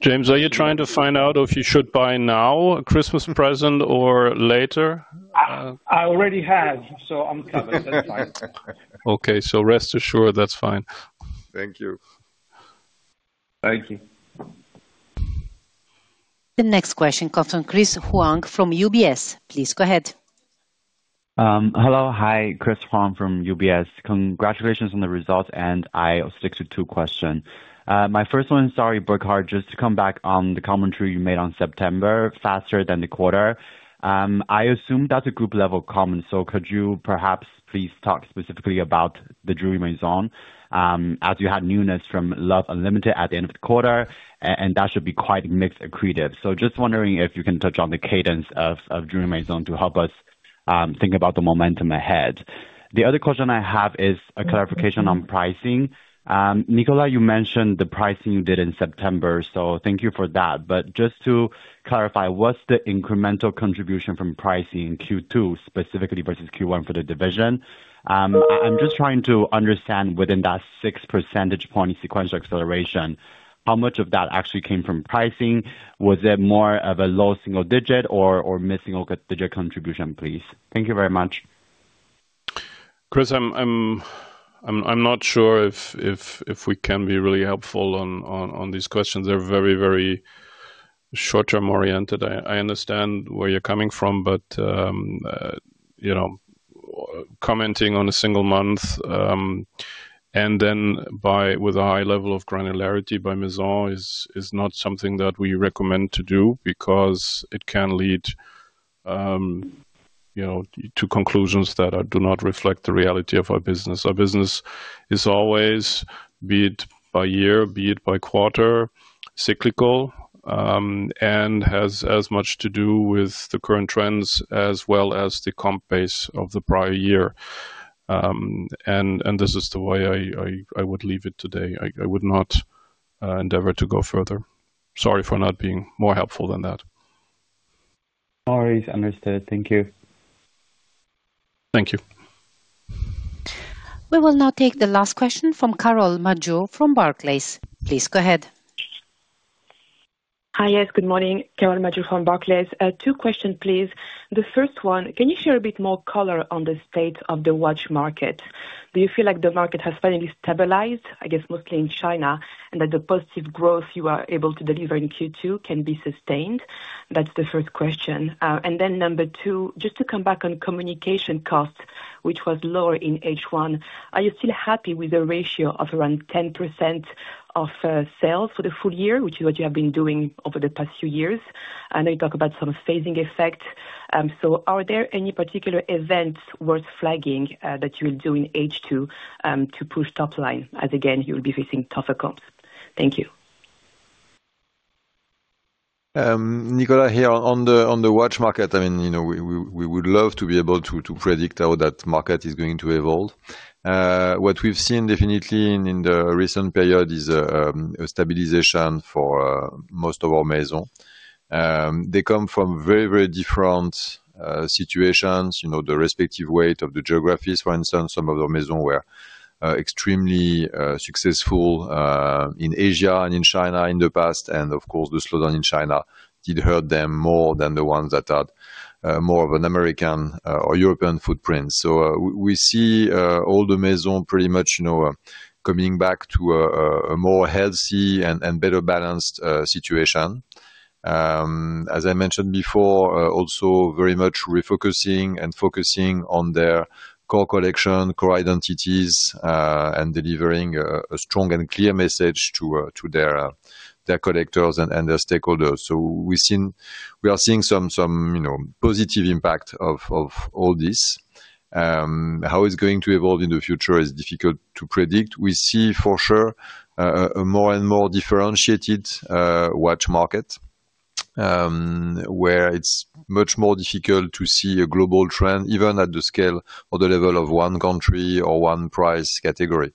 James, are you trying to find out if you should buy now a Christmas present or later? I already have, so I'm covered. That's fine. Okay. Rest assured, that's fine. Thank you. Thank you. The next question comes from Chris Huang from UBS. Please go ahead. Hello. Hi, Chris Huang from UBS. Congratulations on the results, and I stick to two questions. My first one, sorry, Burkhart, just to come back on the commentary you made on September, faster than the quarter. I assume that's a group-level comment, so could you perhaps please talk specifically about the Jewellery Maison as you had newness from Love Unlimited at the end of the quarter? And that should be quite mixed accretive. Just wondering if you can touch on the cadence of Jewellery Maison to help us think about the momentum ahead. The other question I have is a clarification on pricing. Nicolas, you mentioned the pricing you did in September, so thank you for that. Just to clarify, what's the incremental contribution from pricing in Q2 specifically versus Q1 for the division? I'm just trying to understand within that 6 percentage point sequential acceleration, how much of that actually came from pricing? Was it more of a low single digit or missing a digit contribution, please? Thank you very much. Chris, I'm not sure if we can be really helpful on these questions. They're very, very short-term oriented. I understand where you're coming from, but commenting on a single month and then with a high level of granularity by Maison is not something that we recommend to do because it can lead to conclusions that do not reflect the reality of our business. Our business is always, be it by year, be it by quarter, cyclical and has as much to do with the current trends as well as the comp base of the prior year. This is the way I would leave it today. I would not endeavor to go further. Sorry for not being more helpful than that. No worries. Understood. Thank you. Thank you. We will now take the last question from Carole Madjo from Barclays. Please go ahead. Hi, yes, good morning. Carole Madjo from Barclays. Two questions, please. The first one, can you share a bit more color on the state of the watch market? Do you feel like the market has finally stabilized, I guess mostly in China, and that the positive growth you are able to deliver in Q2 can be sustained? That is the first question. And then number two, just to come back on communication costs, which was lower in H1, are you still happy with the ratio of around 10% of sales for the full year, which is what you have been doing over the past few years? I know you talk about some phasing effect. Are there any particular events worth flagging that you will do in H2 to push top line as, again, you will be facing tougher comps? Thank you. Nicolas, here on the watch market, I mean, we would love to be able to predict how that market is going to evolve. What we've seen definitely in the recent period is a stabilization for most of our Maison. They come from very, very different situations. The respective weight of the geographies, for instance, some of our Maison were extremely successful in Asia and in China in the past. Of course, the slowdown in China did hurt them more than the ones that had more of an American or European footprint. We see all the Maison pretty much coming back to a more healthy and better balanced situation. As I mentioned before, also very much refocusing and focusing on their core collection, core identities, and delivering a strong and clear message to their collectors and their stakeholders. We are seeing some positive impact of all this. How it's going to evolve in the future is difficult to predict. We see for sure a more and more differentiated watch market where it's much more difficult to see a global trend even at the scale or the level of one country or one price category.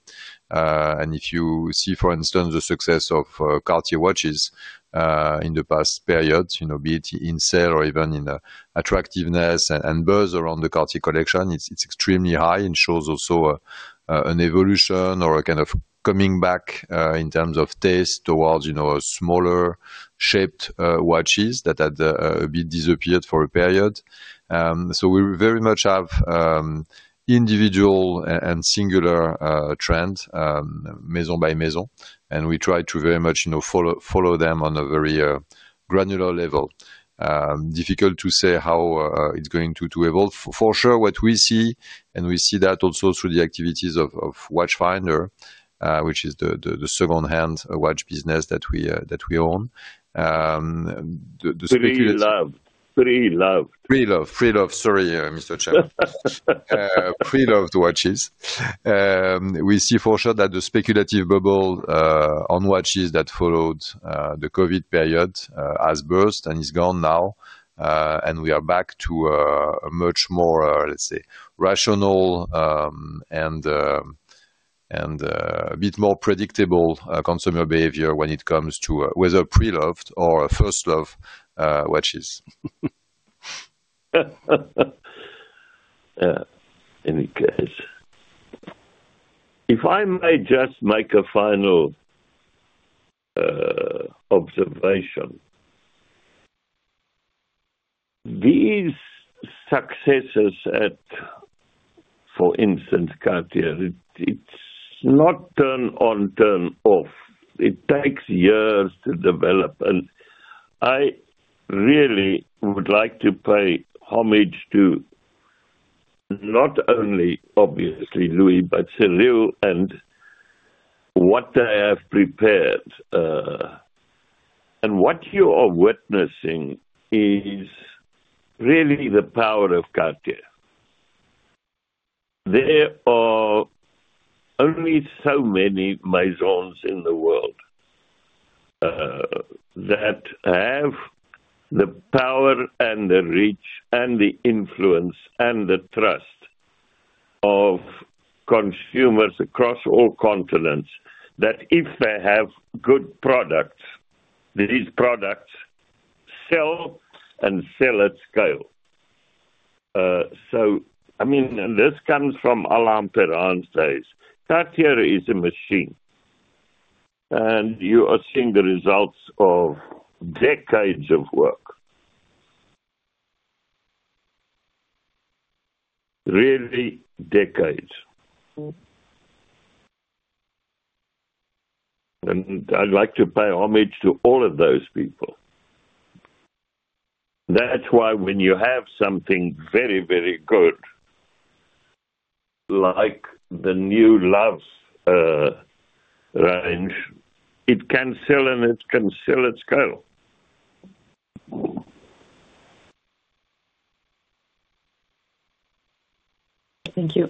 If you see, for instance, the success of Cartier watches in the past period, be it in sale or even in attractiveness and buzz around the Cartier collection, it's extremely high. It shows also an evolution or a kind of coming back in terms of taste towards smaller-shaped watches that had a bit disappeared for a period. We very much have individual and singular trends, Maison by Maison. We try to very much follow them on a very granular level. Difficult to say how it's going to evolve. For sure, what we see, and we see that also through the activities of Watchfinder, which is the second-hand watch business that we own. The speculative. Preloved. Preloved. Preloved. Sorry, Mr. Champ. Preloved watches. We see for sure that the speculative bubble on watches that followed the COVID period has burst and is gone now. We are back to a much more, let's say, rational and a bit more predictable consumer behavior when it comes to whether preloved or first-love watches. any case. If I may just make a final observation, these successes at, for instance, Cartier, it's not turn on, turn off. It takes years to develop. I really would like to pay homage to not only, obviously, Louis, but Cyrille and what they have prepared. What you are witnessing is really the power of Cartier. There are only so many Maisons in the world that have the power and the reach and the influence and the trust of consumers across all continents that if they have good products, these products sell and sell at scale. I mean, this comes from Alain Perrin's days. Cartier is a machine. You are seeing the results of decades of work. Really decades. I would like to pay homage to all of those people. That's why when you have something very, very good like the new Love Unlimited range, it can sell and it can sell at scale. Thank you.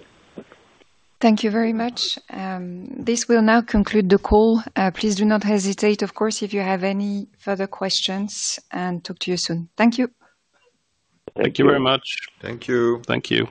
Thank you very much. This will now conclude the call. Please do not hesitate, of course, if you have any further questions, and talk to you soon. Thank you. Thank you very much. Thank you. Thank you.